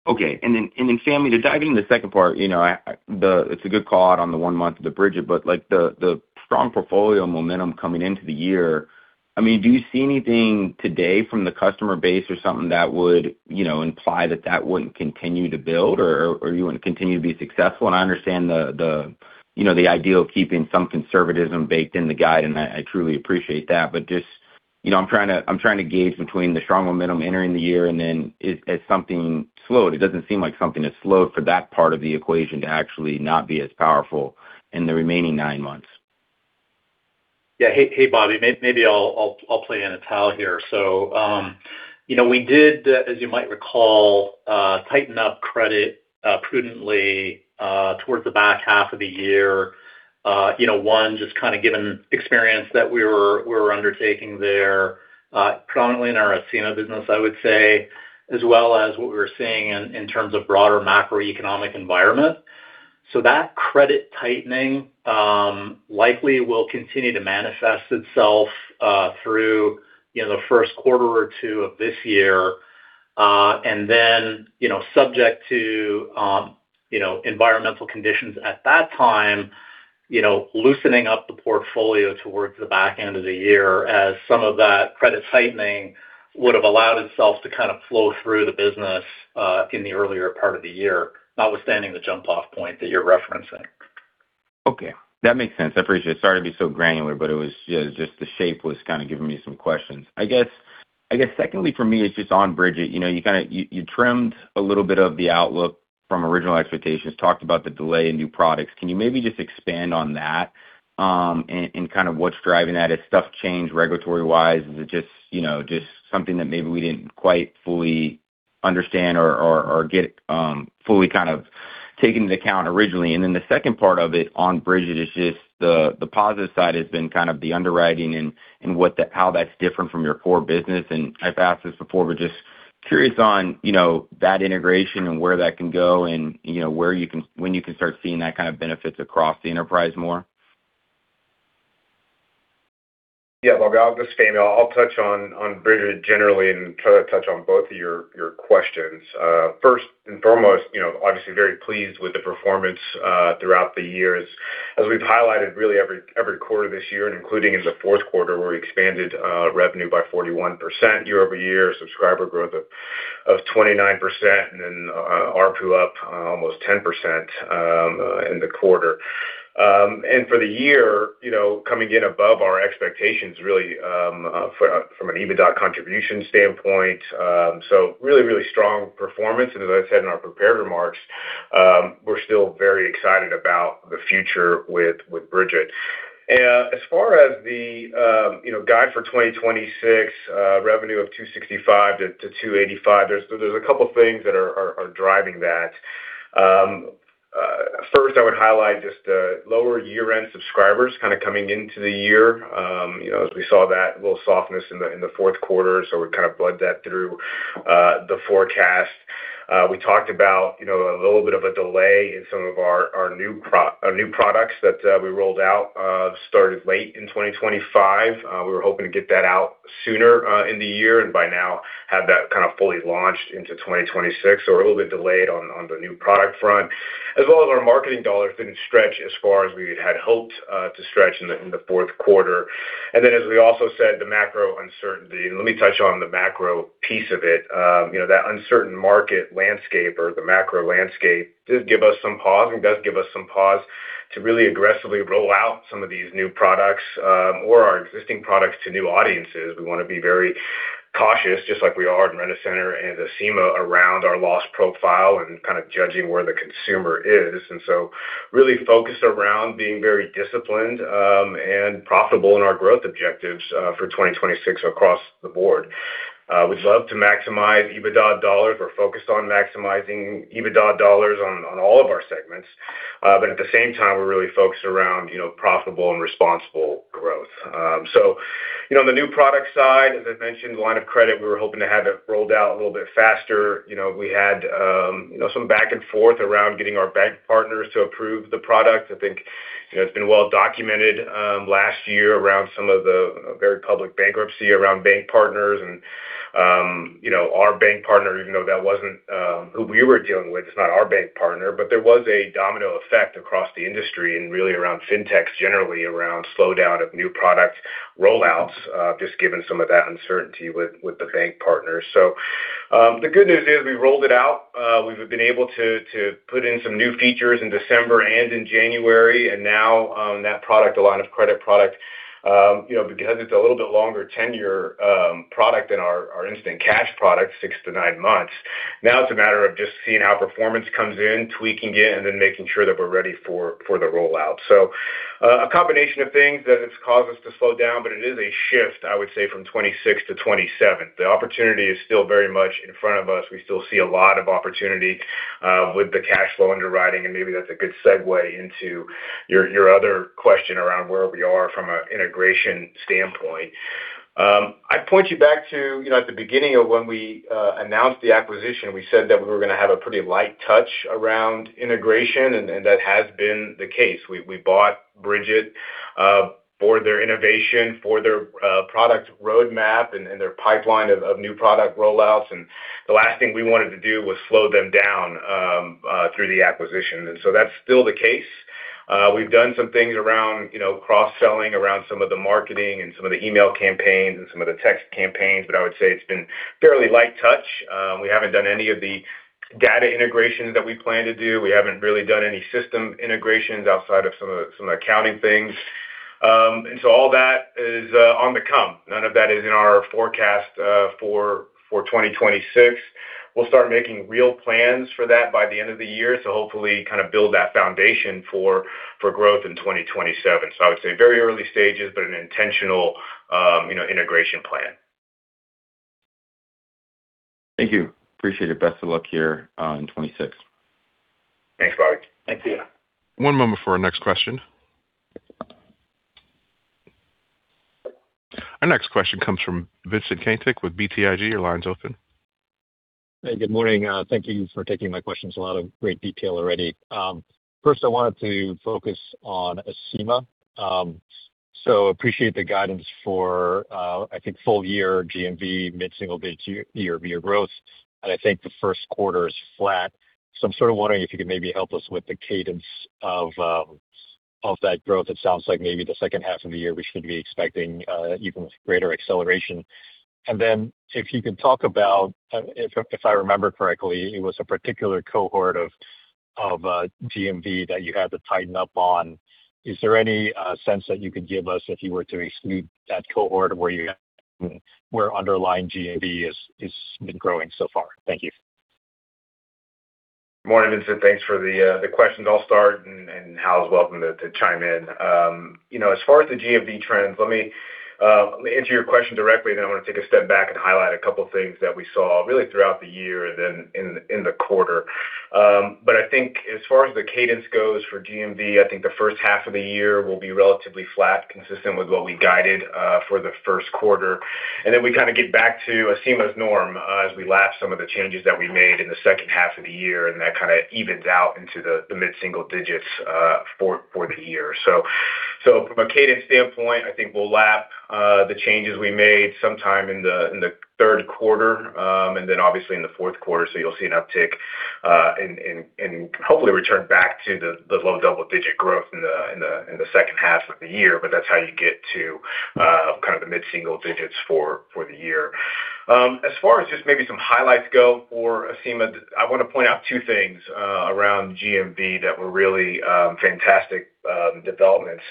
Okay. And then, Fahmi, to dive into the second part, you know, it's a good call out on the one month of the Brigit, but like, the strong portfolio momentum coming into the year. I mean, do you see anything today from the customer base or something that would, you know, imply that that wouldn't continue to build or, or you wouldn't continue to be successful? And I understand the, you know, the idea of keeping some conservatism baked in the guide, and I truly appreciate that. But just, you know, I'm trying to gauge between the strong momentum entering the year and then has something slowed? It doesn't seem like something has slowed for that part of the equation to actually not be as powerful in the remaining nine months. Yeah. Hey, hey, Bobby, maybe I'll play in a towel here. So, you know, we did, as you might recall, tighten up credit prudently towards the back half of the year. You know, one, just kind of given experience that we were undertaking there, prominently in our Acima business, I would say, as well as what we were seeing in terms of broader macroeconomic environment. So that credit tightening likely will continue to manifest itself through, you know, the Q1 or two of this year, and then, you know, subject to, you know, environmental conditions at that time, you know, loosening up the portfolio towards the back end of the year, as some of that credit tightening would have allowed itself to kind of flow through the business in the earlier part of the year, notwithstanding the jump-off point that you're referencing. Okay, that makes sense. I appreciate it. Sorry to be so granular, but it was just the shape was kind of giving me some questions. I guess, I guess secondly for me, it's just on Brigit. You know, you kind of trimmed a little bit of the outlook from original expectations, talked about the delay in new products. Can you maybe just expand on that, and kind of what's driving that? Has stuff changed regulatory-wise? Is it just, you know, just something that maybe we didn't quite fully understand or get, fully kind of taken into account originally? And then the second part of it on Brigit is just the positive side has been kind of the underwriting and what that, how that's different from your core business. I've asked this before, but just curious on, you know, that integration and where that can go and, you know, where you can, when you can start seeing that kind of benefits across the enterprise more. Yeah, well, I'll just, Fahmi, I'll touch on on Brigit generally and try to touch on both of your your questions. First and foremost, you know, obviously very pleased with the performance throughout the years. As we've highlighted really every every quarter this year, and including in the Q4, where we expanded revenue by 41% year-over-year, subscriber growth of 29% and then ARPU up almost 10% in the quarter. And for the year, you know, coming in above our expectations, really, from an EBITDA contribution standpoint. So really, really strong performance. And as I said in our prepared remarks, we're still very excited about the future with with Brigit. As far as the guide for 2026, you know, revenue of $265-$285, there's a couple of things that are driving that. First, I would highlight just the lower year-end subscribers kind of coming into the year. You know, as we saw that little softness in the Q4, so we kind of bled that through the forecast. We talked about, you know, a little bit of a delay in some of our new products that we rolled out started late in 2025. We were hoping to get that out sooner in the year, and by now have that kind of fully launched into 2026. So a little bit delayed on the new product front. As well as our marketing dollar didn't stretch as far as we had hoped to stretch in the Q4. And then, as we also said, the macro uncertainty. Let me touch on the macro piece of it. You know, that uncertain market landscape or the macro landscape does give us some pause and does give us some pause to really aggressively roll out some of these new products, or our existing products to new audiences. We want to be very cautious, just like we are in Rent-A-Center and Acima, around our loss profile and kind of judging where the consumer is. And so really focused around being very disciplined, and profitable in our growth objectives, for 2026 across the board. We'd love to maximize EBITDA dollars. We're focused on maximizing EBITDA dollars on all of our segments. But at the same time, we're really focused around, you know, profitable and responsible growth. So, you know, on the new product side, as I mentioned, the line of credit, we were hoping to have it rolled out a little bit faster. You know, we had, you know, some back and forth around getting our bank partners to approve the product. I think, you know, it's been well documented, last year around some of the very public bankruptcy around bank partners and, you know, our bank partner, even though that wasn't, who we were dealing with, it's not our bank partner. But there was a domino effect across the industry and really around fintechs generally, around slowdown of new product rollouts, just given some of that uncertainty with the bank partners. So, the good news is we rolled it out. We've been able to put in some new features in December and in January, and now that product, a line of credit product, you know, because it's a little bit longer tenure product than our instant cash product, six to nine months. Now it's a matter of just seeing how performance comes in, tweaking it, and then making sure that we're ready for the rollout. So, a combination of things that's caused us to slow down, but it is a shift, I would say, from 2026 to 2027. The opportunity is still very much in front of us. We still see a lot of opportunity with the cashflow underwriting, and maybe that's a good segue into your other question around where we are from an integration standpoint. I'd point you back to, you know, at the beginning of when we announced the acquisition, we said that we were going to have a pretty light touch around integration, and that has been the case. We bought Brigit for their innovation, for their product roadmap and their pipeline of new product rollouts. And the last thing we wanted to do was slow them down through the acquisition. And so that's still the case. We've done some things around, you know, cross-selling, around some of the marketing and some of the email campaigns and some of the text campaigns, but I would say it's been fairly light touch. We haven't done any of the data integrations that we plan to do. We haven't really done any system integrations outside of some accounting things. And so all that is on the come. None of that is in our forecast for 2026. We'll start making real plans for that by the end of the year, so hopefully kind of build that foundation for growth in 2027. So I would say very early stages, but an intentional, you know, integration plan. Thank you. Appreciate it. Best of luck here in 2026. Thanks, Bobby. Thank you. One moment for our next question. Our next question comes from Vincent Caintic with BTIG. Your line's open. Hey, good morning. Thank you for taking my questions. A lot of great detail already. First, I wanted to focus on Acima. I appreciate the guidance for, I think, full year GMV, mid-single digit year-over-year growth, and I think the Q1 is flat. I'm sort of wondering if you could maybe help us with the cadence of that growth. It sounds like maybe the second half of the year, we should be expecting even greater acceleration. If you could talk about, if I remember correctly, it was a particular cohort of GMV that you had to tighten up on. Is there any sense that you could give us if you were to exclude that cohort where underlying GMV has been growing so far? Thank you. Good morning, Vincent. Thanks for the, the questions. I'll start, and Hal is welcome to chime in. You know, as far as the GMV trends, let me let me answer your question directly, then I want to take a step back and highlight a couple of things that we saw really throughout the year and then in the quarter. But I think as far as the cadence goes for GMV, I think the first half of the year will be relatively flat, consistent with what we guided for the Q1. And then we kind of get back to Acima's norm, as we lap some of the changes that we made in the second half of the year, and that kind of evens out into the mid-single digits for the year. So from a cadence standpoint, I think we'll lap the changes we made sometime in the Q3, and then obviously in the Q4. So you'll see an uptick and hopefully return back to the low double-digit growth in the second half of the year. But that's how you get to kind of the mid-single digits for the year. As far as just maybe some highlights go for Acima, I want to point out two things around GMV that were really fantastic developments.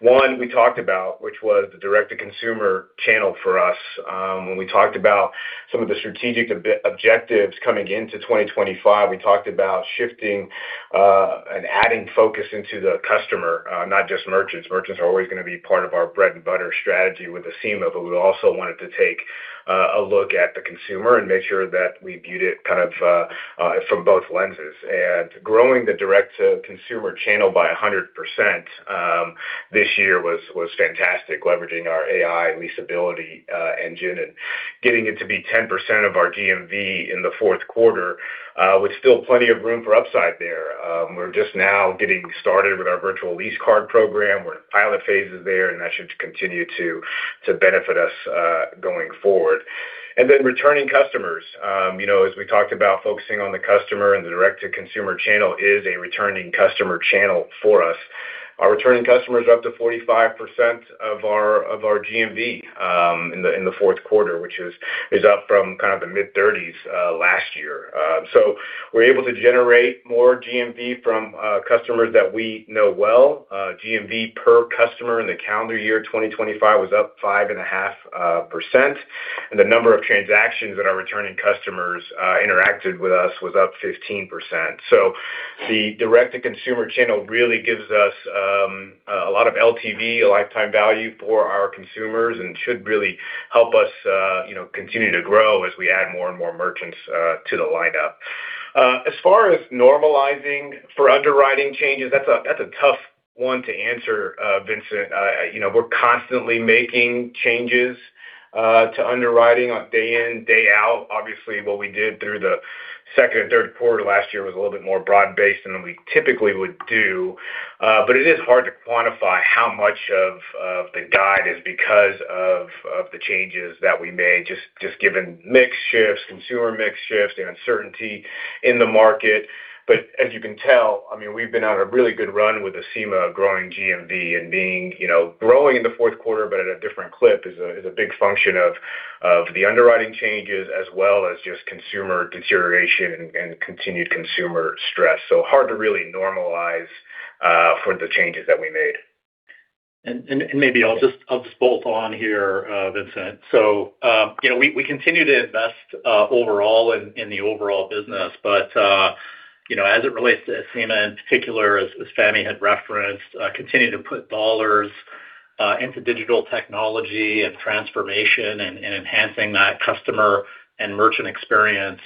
One, we talked about, which was the direct-to-consumer channel for us. When we talked about some of the strategic objectives coming into 2025, we talked about shifting and adding focus into the customer, not just merchants. Merchants are always going to be part of our bread and butter strategy with Acima, but we also wanted to take a look at the consumer and make sure that we viewed it kind of from both lenses. Growing the direct-to-consumer channel by 100% this year was fantastic, leveraging our AI leasability engine and getting it to be 10% of our GMV in the Q4, with still plenty of room for upside there. We're just now getting started with our Virtual Lease Card program, where pilot phase is there, and that should continue to benefit us going forward. And then returning customers. You know, as we talked about, focusing on the customer and the direct-to-consumer channel is a returning customer channel for us. Our returning customers are up to 45% of our GMV in the Q4, which is up from kind of the mid-30s last year. So we're able to generate more GMV from customers that we know well. GMV per customer in the calendar year 2025 was up 5.5%, and the number of transactions that our returning customers interacted with us was up 15%. So the direct-to-consumer channel really gives us a lot of LTV, lifetime value for our consumers, and should really help us, you know, continue to grow as we add more and more merchants to the lineup. As far as normalizing for underwriting changes, that's a tough one to answer, Vincent. You know, we're constantly making changes to underwriting on day in, day out. Obviously, what we did through the second and Q3 last year was a little bit more broad-based than we typically would do. But it is hard to quantify how much of the guide is because of the changes that we made, just given mix shifts, consumer mix shifts and uncertainty in the market. But as you can tell, I mean, we've been on a really good run with Acima growing GMV and being, you know, growing in the Q4, but at a different clip is a big function of the underwriting changes as well as just consumer deterioration and continued consumer stress. So hard to really normalize for the changes that we made. Maybe I'll just bolt on here, Vincent. So, you know, we continue to invest overall in the overall business, but you know, as it relates to Acima, in particular, as Fahmi had referenced, continue to put dollars into digital technology and transformation and enhancing that customer and merchant experience.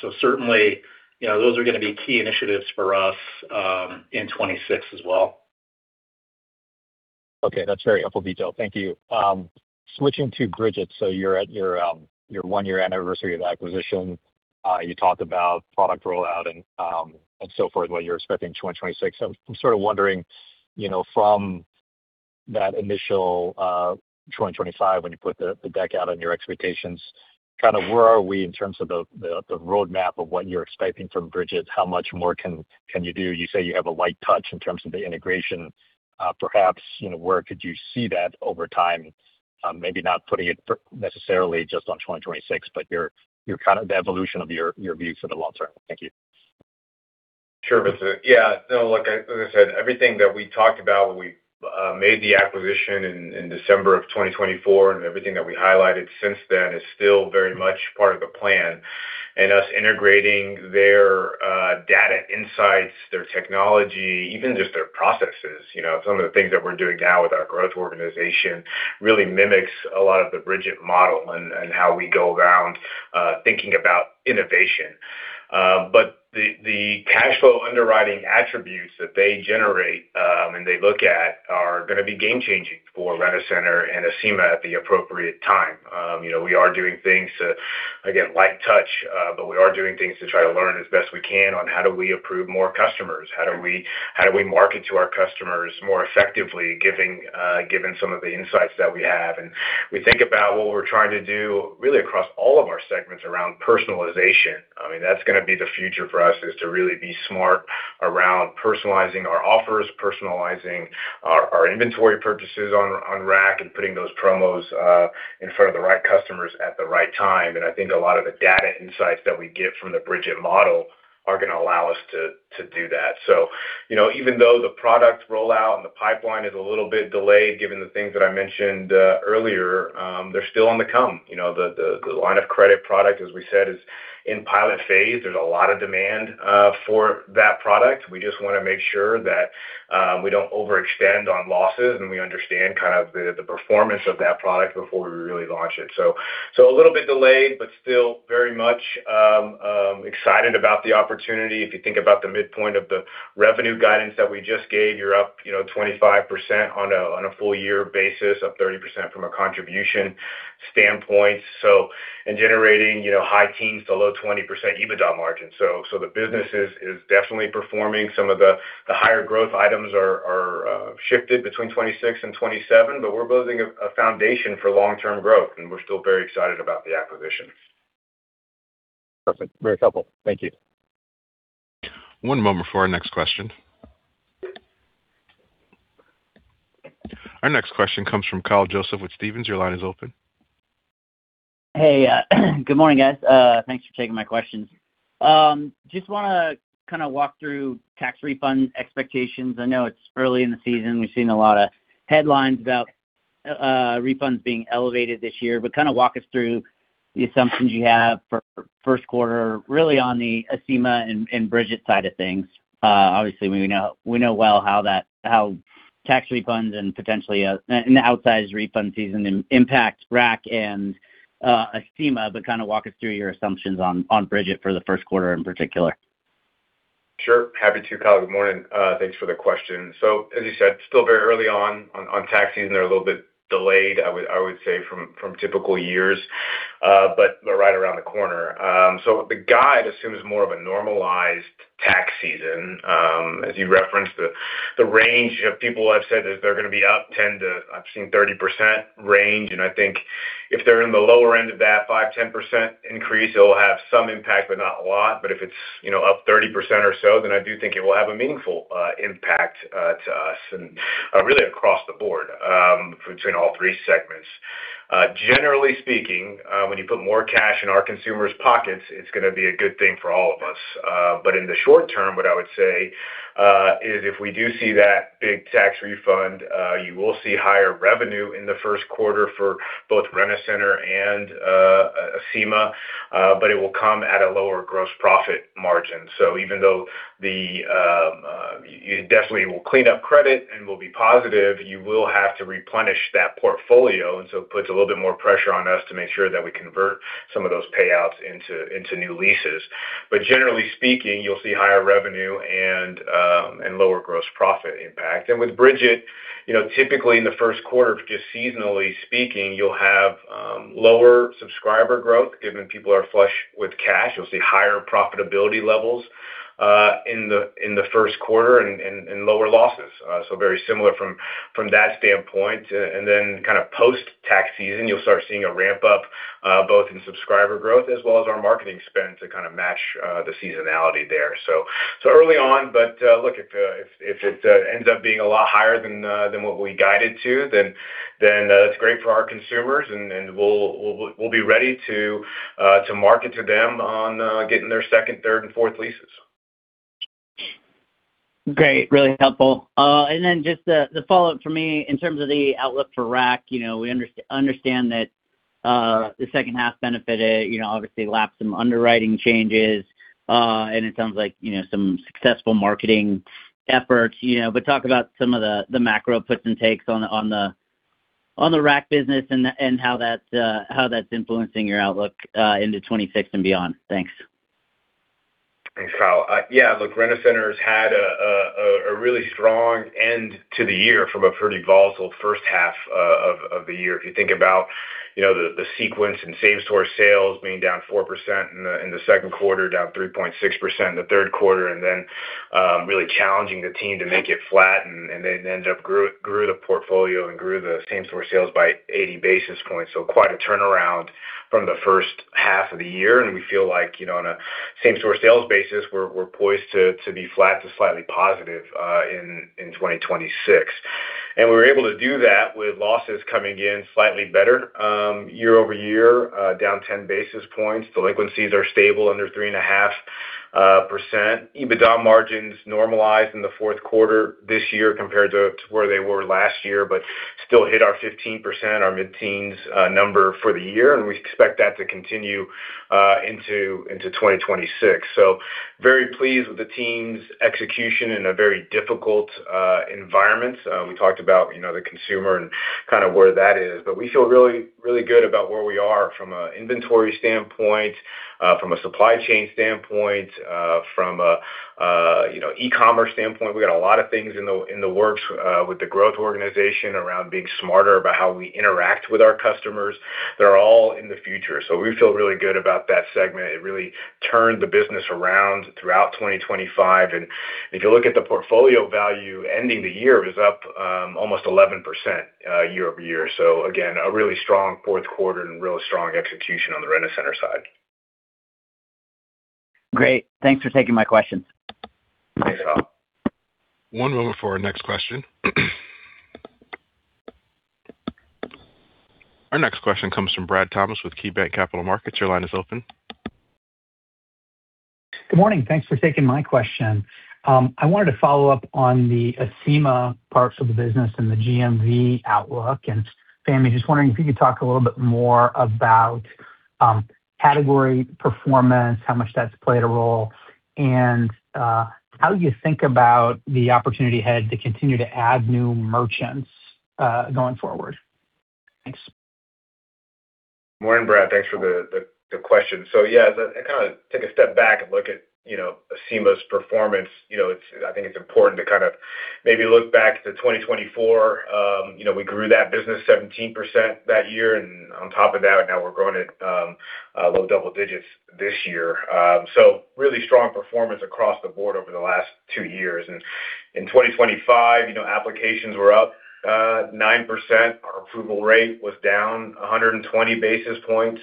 So certainly, you know, those are going to be key initiatives for us in 2026 as well. Okay, that's very helpful detail. Thank you. Switching to Brigit. So you're at your, your one-year anniversary of acquisition. You talked about product rollout and, and so forth, what you're expecting in 2026. I'm sort of wondering, you know, from that initial, 2025, when you put the, the deck out on your expectations, kind of where are we in terms of the, the, the roadmap of what you're expecting from Brigit? How much more can you do? You say you have a light touch in terms of the integration. Perhaps, you know, where could you see that over time? Maybe not putting it necessarily just on 2026, but your, your kind of the evolution of your, your view for the long term. Thank you. Sure, Vincent. Yeah, no, look, I as I said, everything that we talked about when we made the acquisition in December of 2024, and everything that we highlighted since then is still very much part of the plan. And us integrating their data insights, their technology, even just their processes, you know, some of the things that we're doing now with our growth organization really mimics a lot of the Brigit model and how we go around thinking about innovation. But the cash flow underwriting attributes that they generate and they look at are going to be game changing for Rent-A-Center and Acima at the appropriate time. You know, we are doing things to, again, light touch, but we are doing things to try to learn as best we can on how do we approve more customers? How do we market to our customers more effectively, given some of the insights that we have? And we think about what we're trying to do really across all of our segments around personalization. I mean, that's going to be the future for us, is to really be smart around personalizing our offers, personalizing our inventory purchases on RAC, and putting those promos in front of the right customers at the right time. And I think a lot of the data insights that we get from the Brigit model are going to allow us to do that. So, you know, even though the product rollout and the pipeline is a little bit delayed, given the things that I mentioned earlier, they're still on the come. You know, the line of credit product, as we said, is in pilot phase. There's a lot of demand for that product. We just want to make sure that we don't overextend on losses, and we understand kind of the performance of that product before we really launch it. So a little bit delayed, but still very much excited about the opportunity. If you think about the midpoint of the revenue guidance that we just gave, you're up, you know, 25% on a full year basis, up 30% from a contribution standpoint. So in generating, you know, high teens to low 20% EBITDA margins. So the business is definitely performing. Some of the higher growth items are shifted between 2026 and 2027, but we're building a foundation for long-term growth, and we're still very excited about the acquisition. Perfect. Very helpful. Thank you. One moment before our next question. Our next question comes from Kyle Joseph with Stephens. Your line is open. Hey, good morning, guys. Thanks for taking my questions. Just wanna kind of walk through tax refund expectations. I know it's early in the season. We've seen a lot of headlines about refunds being elevated this year, but kind of walk us through the assumptions you have for Q1, really on the Acima and Brigit side of things. Obviously, we know well how tax refunds and potentially an outsized refund season impact RAC and Acima, but kind of walk us through your assumptions on Brigit for the Q1 in particular. Sure. Happy to, Kyle. Good morning. Thanks for the question. So, as you said, still very early on tax season. They're a little bit delayed, I would say, from typical years, but they're right around the corner. So the guide assumes more of a normalized tax season. As you referenced, the range of people I've said is they're gonna be up 10%-30%, and I think if they're in the lower end of that 5%-10% increase, it'll have some impact, but not a lot. But if it's, you know, up 30% or so, then I do think it will have a meaningful impact to us and really across the board between all three segments. Generally speaking, when you put more cash in our consumers' pockets, it's gonna be a good thing for all of us. But in the short term, what I would say is if we do see that big tax refund, you will see higher revenue in the Q1 for both Rent-A-Center and Acima, but it will come at a lower gross profit margin. So even though you definitely will clean up credit and will be positive, you will have to replenish that portfolio, and so it puts a little bit more pressure on us to make sure that we convert some of those payouts into new leases. But generally speaking, you'll see higher revenue and lower gross profit impact. With Brigit, you know, typically in the Q1, just seasonally speaking, you'll have lower subscriber growth, given people are flush with cash. You'll see higher profitability levels in the Q1 and lower losses. So very similar from that standpoint. And then kind of post-tax season, you'll start seeing a ramp-up both in subscriber growth as well as our marketing spend to kind of match the seasonality there. So early on, but look, if it ends up being a lot higher than what we guided to, then that's great for our consumers, and we'll be ready to market to them on getting their second, third, and fourth leases. Great. Really helpful. And then just the follow-up for me in terms of the outlook for RAC, you know, we understand that the second half benefited, you know, obviously, lapsed some underwriting changes, and it sounds like, you know, some successful marketing efforts, you know. But talk about some of the macro puts and takes on the RAC business and how that's influencing your outlook into 2026 and beyond. Thanks. Thanks, Kyle. Yeah, look, Rent-A-Center's had a really strong end to the year from a pretty volatile first half of the year. If you think about, you know, the sequence and same-store sales being down 4% in the Q2, down 3.6% in the Q3, and then really challenging the team to make it flat and they ended up grew the portfolio and grew the same-store sales by 80 basis points. So quite a turnaround from the first half of the year, and we feel like, you know, on a same-store sales basis, we're poised to be flat to slightly positive in 2026. And we were able to do that with losses coming in slightly better year-over-year, down 10 basis points. Delinquencies are stable, under 3.5%. EBITDA margins normalized in the Q4 this year compared to where they were last year, but still hit our 15%, our mid-teens number for the year, and we expect that to continue into 2026. So very pleased with the team's execution in a very difficult environment. We talked about, you know, the consumer and kind of where that is, but we feel really, really good about where we are from a inventory standpoint, from a supply chain standpoint, from a, you know, e-commerce standpoint. We got a lot of things in the works with the growth organization around being smarter about how we interact with our customers. They're all in the future. So we feel really good about that segment. It really turned the business around throughout 2025. And if you look at the portfolio value, ending the year was up almost 11% year-over-year. So again, a really strong Q4 and really strong execution on the Rent-A-Center side. Great. Thanks for taking my questions. Thanks, Kyle. One moment for our next question. Our next question comes from Brad Thomas with KeyBanc Capital Markets. Your line is open. Good morning. Thanks for taking my question. I wanted to follow up on the Acima parts of the business and the GMV outlook. And Fahmi, just wondering if you could talk a little bit more about category performance, how much that's played a role, and how do you think about the opportunity ahead to continue to add new merchants going forward? Thanks. Morning, Brad. Thanks for the question. So yeah, to kind of take a step back and look at, you know, Acima's performance, you know, it's. I think it's important to kind of maybe look back to 2024. You know, we grew that business 17% that year, and on top of that, now we're growing it low double digits this year. So really strong performance across the board over the last two years. And in 2025, you know, applications were up 9%. Our approval rate was down 120 basis points.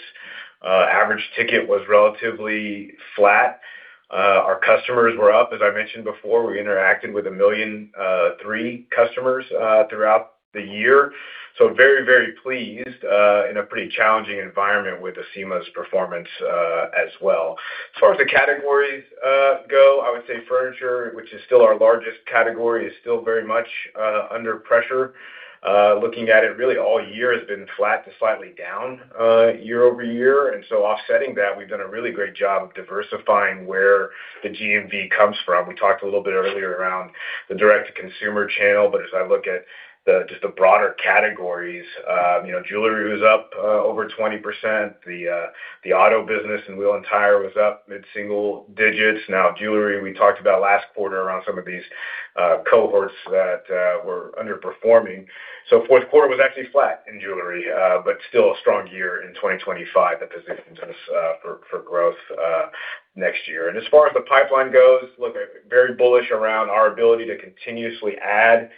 Average ticket was relatively flat. Our customers were up. As I mentioned before, we interacted with 1.300,000 customers throughout the year. So very, very pleased in a pretty challenging environment with Acima's performance as well. As far as the categories go, I would say furniture, which is still our largest category, is still very much under pressure. Looking at it, really all year has been flat to slightly down year-over-year. So offsetting that, we've done a really great job of diversifying where the GMV comes from. We talked a little bit earlier around the direct-to-consumer channel, but as I look at just the broader categories, you know, jewelry was up over 20%. The auto business and wheel and tire was up mid-single digits. Now, jewelry, we talked about last quarter around some of these cohorts that were underperforming. Q4 was actually flat in jewelry, but still a strong year in 2025. That positions us for growth next year. As far as the pipeline goes, look, very bullish around our ability to continuously add, you know,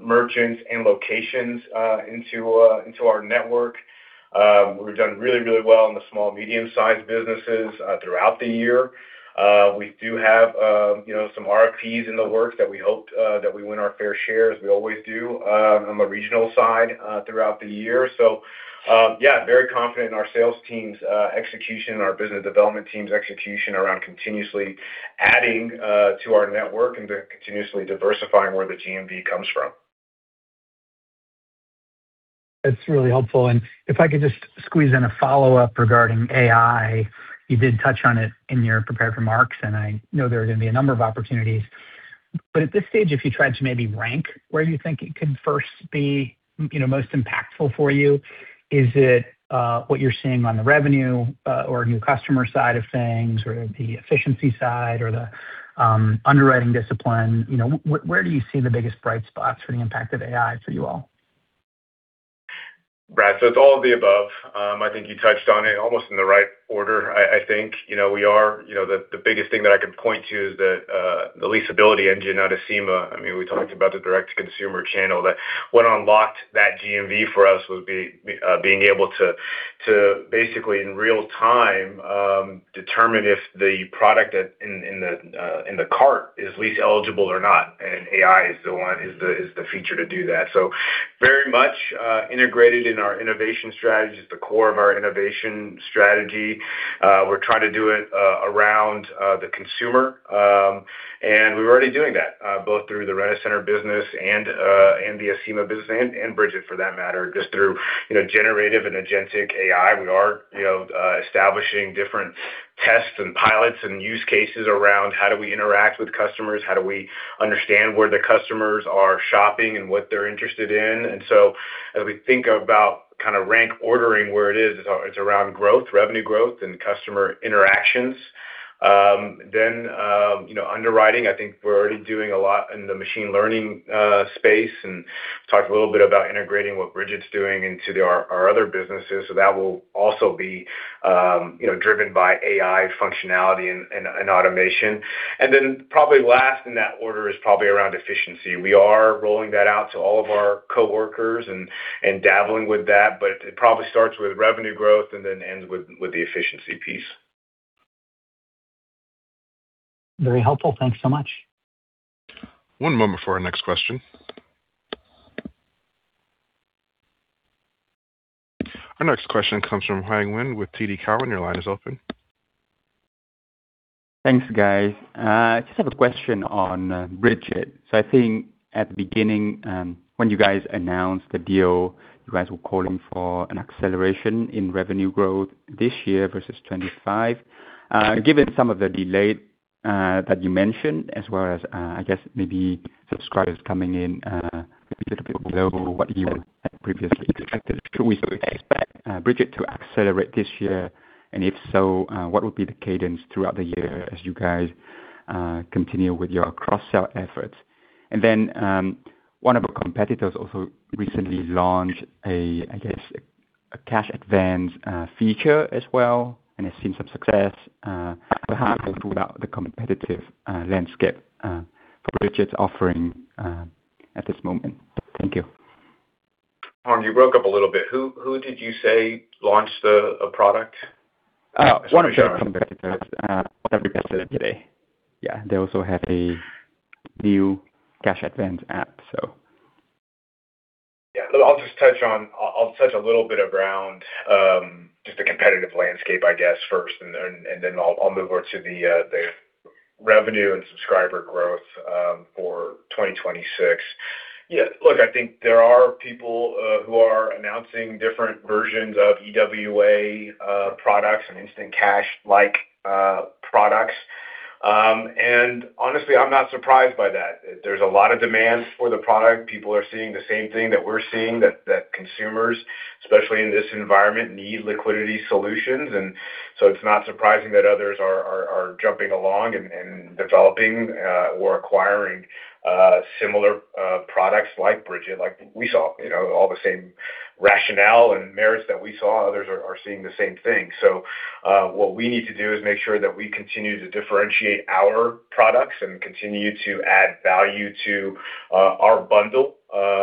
merchants and locations into our network. We've done really, really well in the small, medium-sized businesses throughout the year. We do have, you know, some RFPs in the works that we hope we win our fair share, as we always do, on the regional side throughout the year. Yeah, very confident in our sales team's execution, our business development team's execution around continuously adding to our network and continuously diversifying where the GMV comes from. That's really helpful. And if I could just squeeze in a follow-up regarding AI. You did touch on it in your prepared remarks, and I know there are gonna be a number of opportunities. But at this stage, if you tried to maybe rank where you think it could first be, you know, most impactful for you, is it what you're seeing on the revenue or new customer side of things, or the efficiency side, or the underwriting discipline? You know, where do you see the biggest bright spots for the impact of AI for you all? Brad, so it's all of the above. I think you touched on it almost in the right order. I think, you know, we are. You know, the biggest thing that I could point to is that, the leasability engine out of Acima. I mean, we talked about the direct-to-consumer channel, that what unlocked that GMV for us was being able to basically, in real time, determine if the product in the cart is lease eligible or not, and AI is the one, is the feature to do that. So very much integrated in our innovation strategy. It's the core of our innovation strategy. We're trying to do it around the consumer. We're already doing that, both through the Rent-A-Center business and the Acima business and Brigit, for that matter, just through, you know, generative and Agentic AI. We are, you know, establishing different tests and pilots and use cases around how do we interact with customers, how do we understand where the customers are shopping and what they're interested in. And so as we think about kind of rank ordering where it is, it's around growth, revenue growth and customer interactions. Then, you know, underwriting, I think we're already doing a lot in the machine learning space, and talked a little bit about integrating what Brigit's doing into our other businesses. So that will also be, you know, driven by AI functionality and automation. And then probably last in that order is probably around efficiency. We are rolling that out to all of our coworkers and dabbling with that, but it probably starts with revenue growth and then ends with the efficiency piece. Very helpful. Thanks so much. One moment for our next question. Our next question comes from Hoang Nguyen with TD Cowen. Your line is open. Thanks, guys. I just have a question on Brigit. So I think at the beginning, when you guys announced the deal, you guys were calling for an acceleration in revenue growth this year versus 2025. Given some of the delay that you mentioned, as well as I guess maybe subscribers coming in a little bit below what you had previously expected, do we expect Brigit to accelerate this year? And if so, what would be the cadence throughout the year as you guys continue with your cross-sell efforts? And then, one of our competitors also recently launched a I guess a cash advance feature as well, and has seen some success. How about the competitive landscape for Brigit's offering at this moment? Thank you. Huang, you broke up a little bit. Who did you say launched the product? One of your competitors, today. Yeah, they also have a new cash advance app, so. Yeah. I'll touch a little bit around just the competitive landscape, I guess, first, and then I'll move on to the revenue and subscriber growth for 2026. Yeah, look, I think there are people who are announcing different versions of EWA products and instant cash-like products. And honestly, I'm not surprised by that. There's a lot of demand for the product. People are seeing the same thing that we're seeing, that consumers, especially in this environment, need liquidity solutions. And so it's not surprising that others are jumping along and developing or acquiring similar products like Brigit. Like, we saw, you know, all the same rationale and merits that we saw, others are seeing the same thing. What we need to do is make sure that we continue to differentiate our products and continue to add value to our bundle,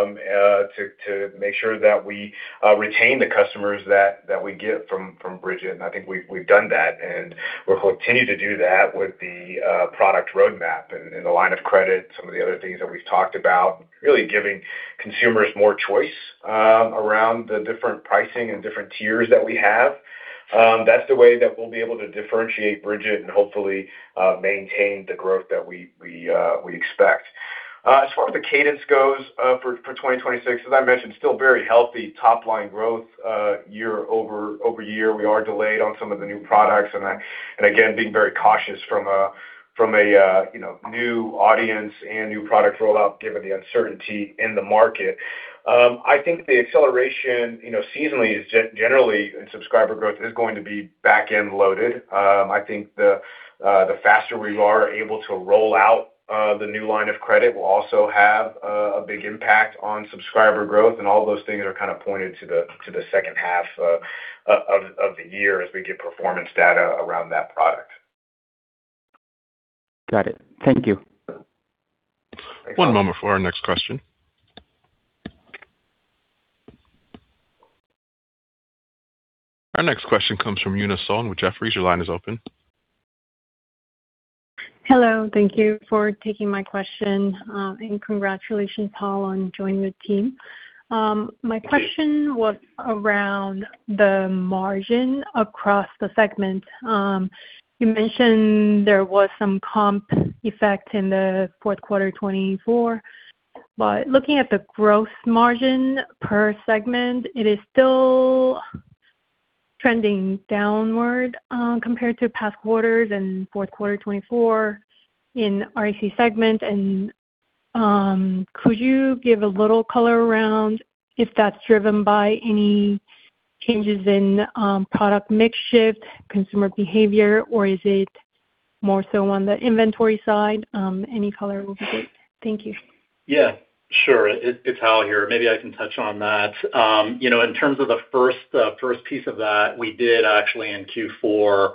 to make sure that we retain the customers that we get from Brigit. I think we've done that, and we'll continue to do that with the product roadmap and the line of credit. Some of the other things that we've talked about, really giving consumers more choice around the different pricing and different tiers that we have. That's the way that we'll be able to differentiate Brigit and hopefully maintain the growth that we expect. As far as the cadence goes, for 2026, as I mentioned, still very healthy top-line growth year-over-year. We are delayed on some of the new products, and again, being very cautious from a you know, new audience and new product rollout, given the uncertainty in the market. I think the acceleration, you know, seasonally is generally in subscriber growth, is going to be back-end loaded. I think the faster we are able to roll out the new line of credit will also have a big impact on subscriber growth, and all those things are kind of pointed to the second half of the year as we get performance data around that product. Got it. Thank you. One moment for our next question. Our next question comes from Yuna Sohn with Jefferies. Your line is open. Hello, thank you for taking my question, and congratulations, Paul, on joining the team. My question was around the margin across the segment. You mentioned there was some comp effect in the Q4 2024, but looking at the growth margin per segment, it is still trending downward, compared to past quarters and Q4 2024 in REC segment. Could you give a little color around if that's driven by any changes in, product mix shift, consumer behavior, or is it more so on the inventory side? Any color will be great. Thank you. Yeah, sure. It's Hal here. Maybe I can touch on that. You know, in terms of the first first piece of that, we did actually in Q4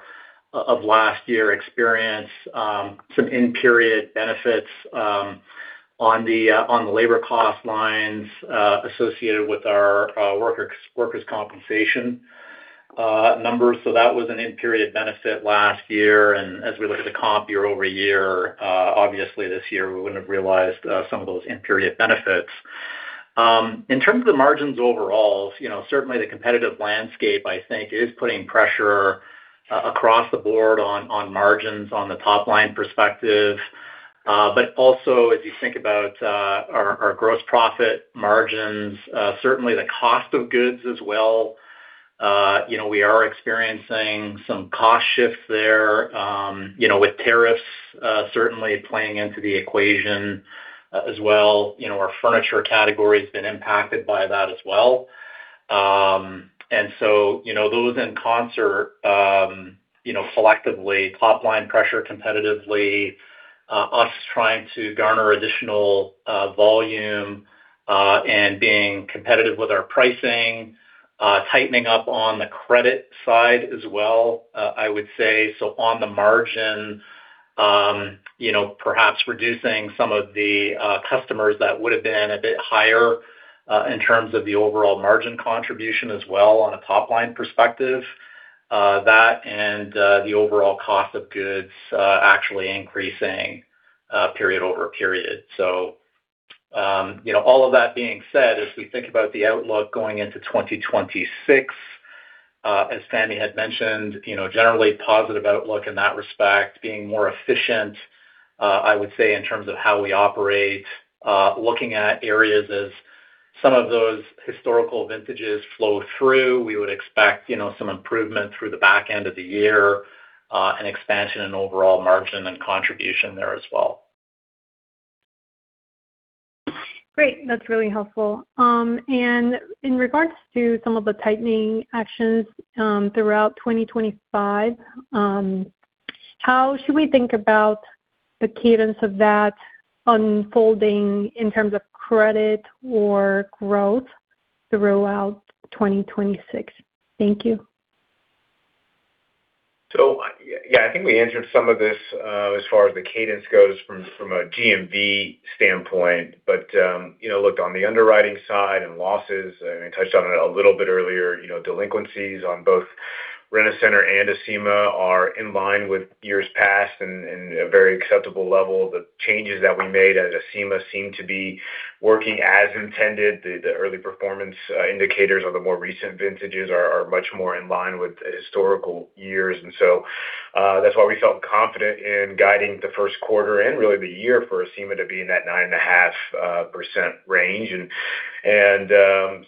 of last year experience some in-period benefits on the on the labor cost lines associated with our worker workers' compensation numbers. So that was an in-period benefit last year. And as we look at the comp year over year obviously this year we wouldn't have realized some of those in-period benefits. In terms of the margins overall you know certainly the competitive landscape I think is putting pressure across the board on margins on the top-line perspective. But also as you think about our our gross profit margins certainly the cost of goods as well. You know, we are experiencing some cost shifts there, you know, with tariffs certainly playing into the equation as well. You know, our furniture category has been impacted by that as well. So, you know, those in concert, you know, collectively, top-line pressure competitively, us trying to garner additional volume and being competitive with our pricing, tightening up on the credit side as well, I would say. So on the margin, you know, perhaps reducing some of the customers that would have been a bit higher in terms of the overall margin contribution as well on a top-line perspective, that and the overall cost of goods actually increasing period-over-period. So, you know, all of that being said, as we think about the outlook going into 2026, as Fahmi had mentioned, you know, generally positive outlook in that respect, being more efficient, I would say, in terms of how we operate, looking at areas as some of those historical vintages flow through. We would expect, you know, some improvement through the back end of the year, and expansion in overall margin and contribution there as well. Great. That's really helpful. In regards to some of the tightening actions, throughout 2025, how should we think about the cadence of that unfolding in terms of credit or growth throughout 2026? Thank you. So, yeah, I think we answered some of this, as far as the cadence goes from a GMV standpoint, but, you know, look, on the underwriting side and losses, and I touched on it a little bit earlier, you know, delinquencies on both Rent-A-Center and Acima are in line with years past and a very acceptable level. The changes that we made at Acima seem to be working as intended. The early performance indicators of the more recent vintages are much more in line with historical years. And so, that's why we felt confident in guiding the Q1 and really the year for Acima to be in that 9.5% range.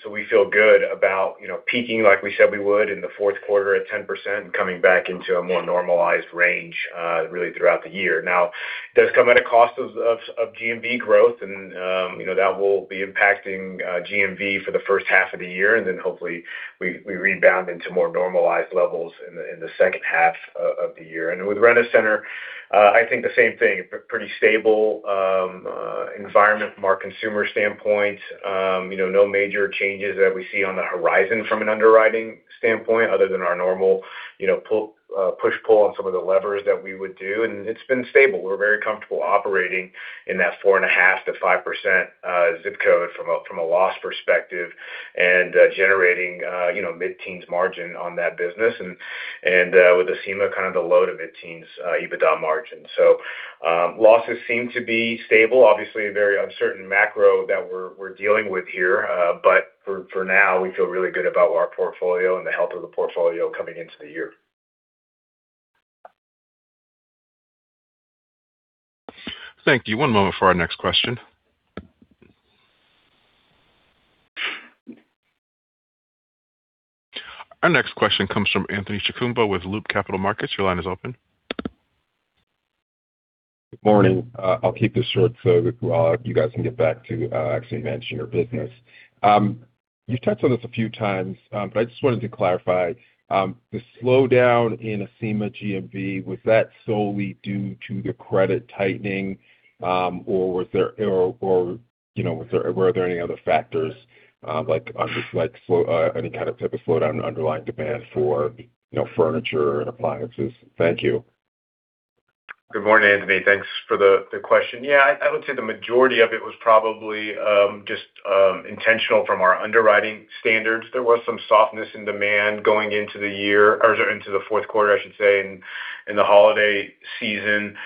So we feel good about, you know, peaking, like we said we would in the Q4 at 10%, and coming back into a more normalized range, really throughout the year. Now, it does come at a cost of GMV growth, and, you know, that will be impacting GMV for the first half of the year, and then hopefully we rebound into more normalized levels in the second half of the year. And with Rent-A-Center, I think the same thing, pretty stable environment from our consumer standpoint. You know, no major changes that we see on the horizon from an underwriting standpoint, other than our normal, you know, push-pull on some of the levers that we would do, and it's been stable. We're very comfortable operating in that 4.5%-5% zip code from a loss perspective, and generating you know mid-teens margin on that business. And with Acima, kind of the low- to mid-teens EBITDA margin. So losses seem to be stable. Obviously, a very uncertain macro that we're dealing with here, but for now, we feel really good about our portfolio and the health of the portfolio coming into the year. Thank you. One moment for our next question. Our next question comes from Anthony Chukumba with Loop Capital Markets. Your line is open. Good morning. I'll keep this short so that you guys can get back to actually managing your business. You've touched on this a few times, but I just wanted to clarify. The slowdown in Acima GMV, was that solely due to the credit tightening, or was there... or, you know, was there, were there any other factors, like, on just, like, any kind of type of slowdown in underlying demand for, you know, furniture and appliances? Thank you. Good morning, Anthony. Thanks for the question. Yeah, I would say the majority of it was probably just intentional from our underwriting standards. There was some softness in demand going into the year or into the Q4, I should say, in the holiday season.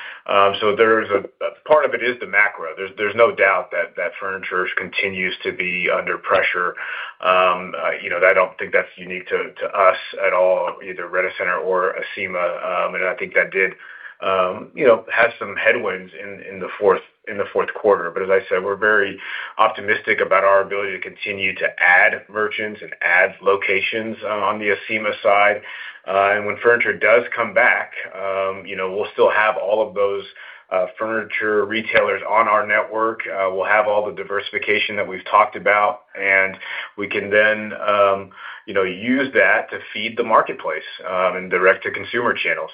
So there's a part of it is the macro. There's no doubt that furniture continues to be under pressure. You know, I don't think that's unique to us at all, either Rent-A-Center or Acima. And I think that did, you know, have some headwinds in the Q4. But as I said, we're very optimistic about our ability to continue to add merchants and add locations on the Acima side. When furniture does come back, you know, we'll still have all of those furniture retailers on our network. We'll have all the diversification that we've talked about, and we can then, you know, use that to feed the marketplace and direct-to-consumer channels.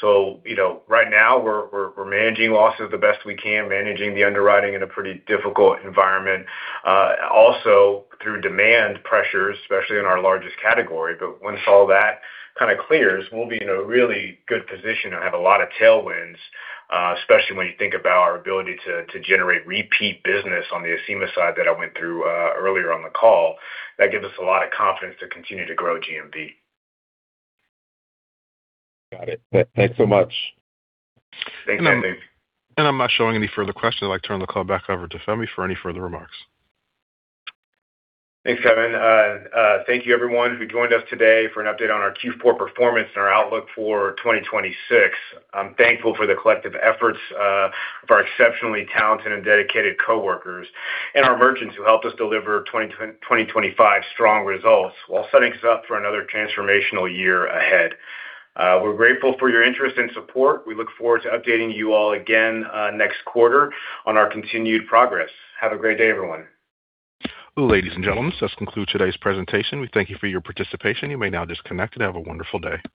So, you know, right now we're managing losses the best we can, managing the underwriting in a pretty difficult environment, also through demand pressures, especially in our largest category. But once all that kind of clears, we'll be in a really good position to have a lot of tailwinds, especially when you think about our ability to generate repeat business on the Acima side that I went through earlier on the call. That gives us a lot of confidence to continue to grow GMV. Got it. Thanks so much. Thanks, Anthony. I'm not showing any further questions. I'd like to turn the call back over to Fahmi for any further remarks. Thanks, Kevin. Thank you everyone who joined us today for an update on our Q4 performance and our outlook for 2026. I'm thankful for the collective efforts of our exceptionally talented and dedicated coworkers, and our merchants who helped us deliver 2025 strong results, while setting us up for another transformational year ahead. We're grateful for your interest and support. We look forward to updating you all again next quarter on our continued progress. Have a great day, everyone. Ladies and gentlemen, this concludes today's presentation. We thank you for your participation. You may now disconnect, and have a wonderful day.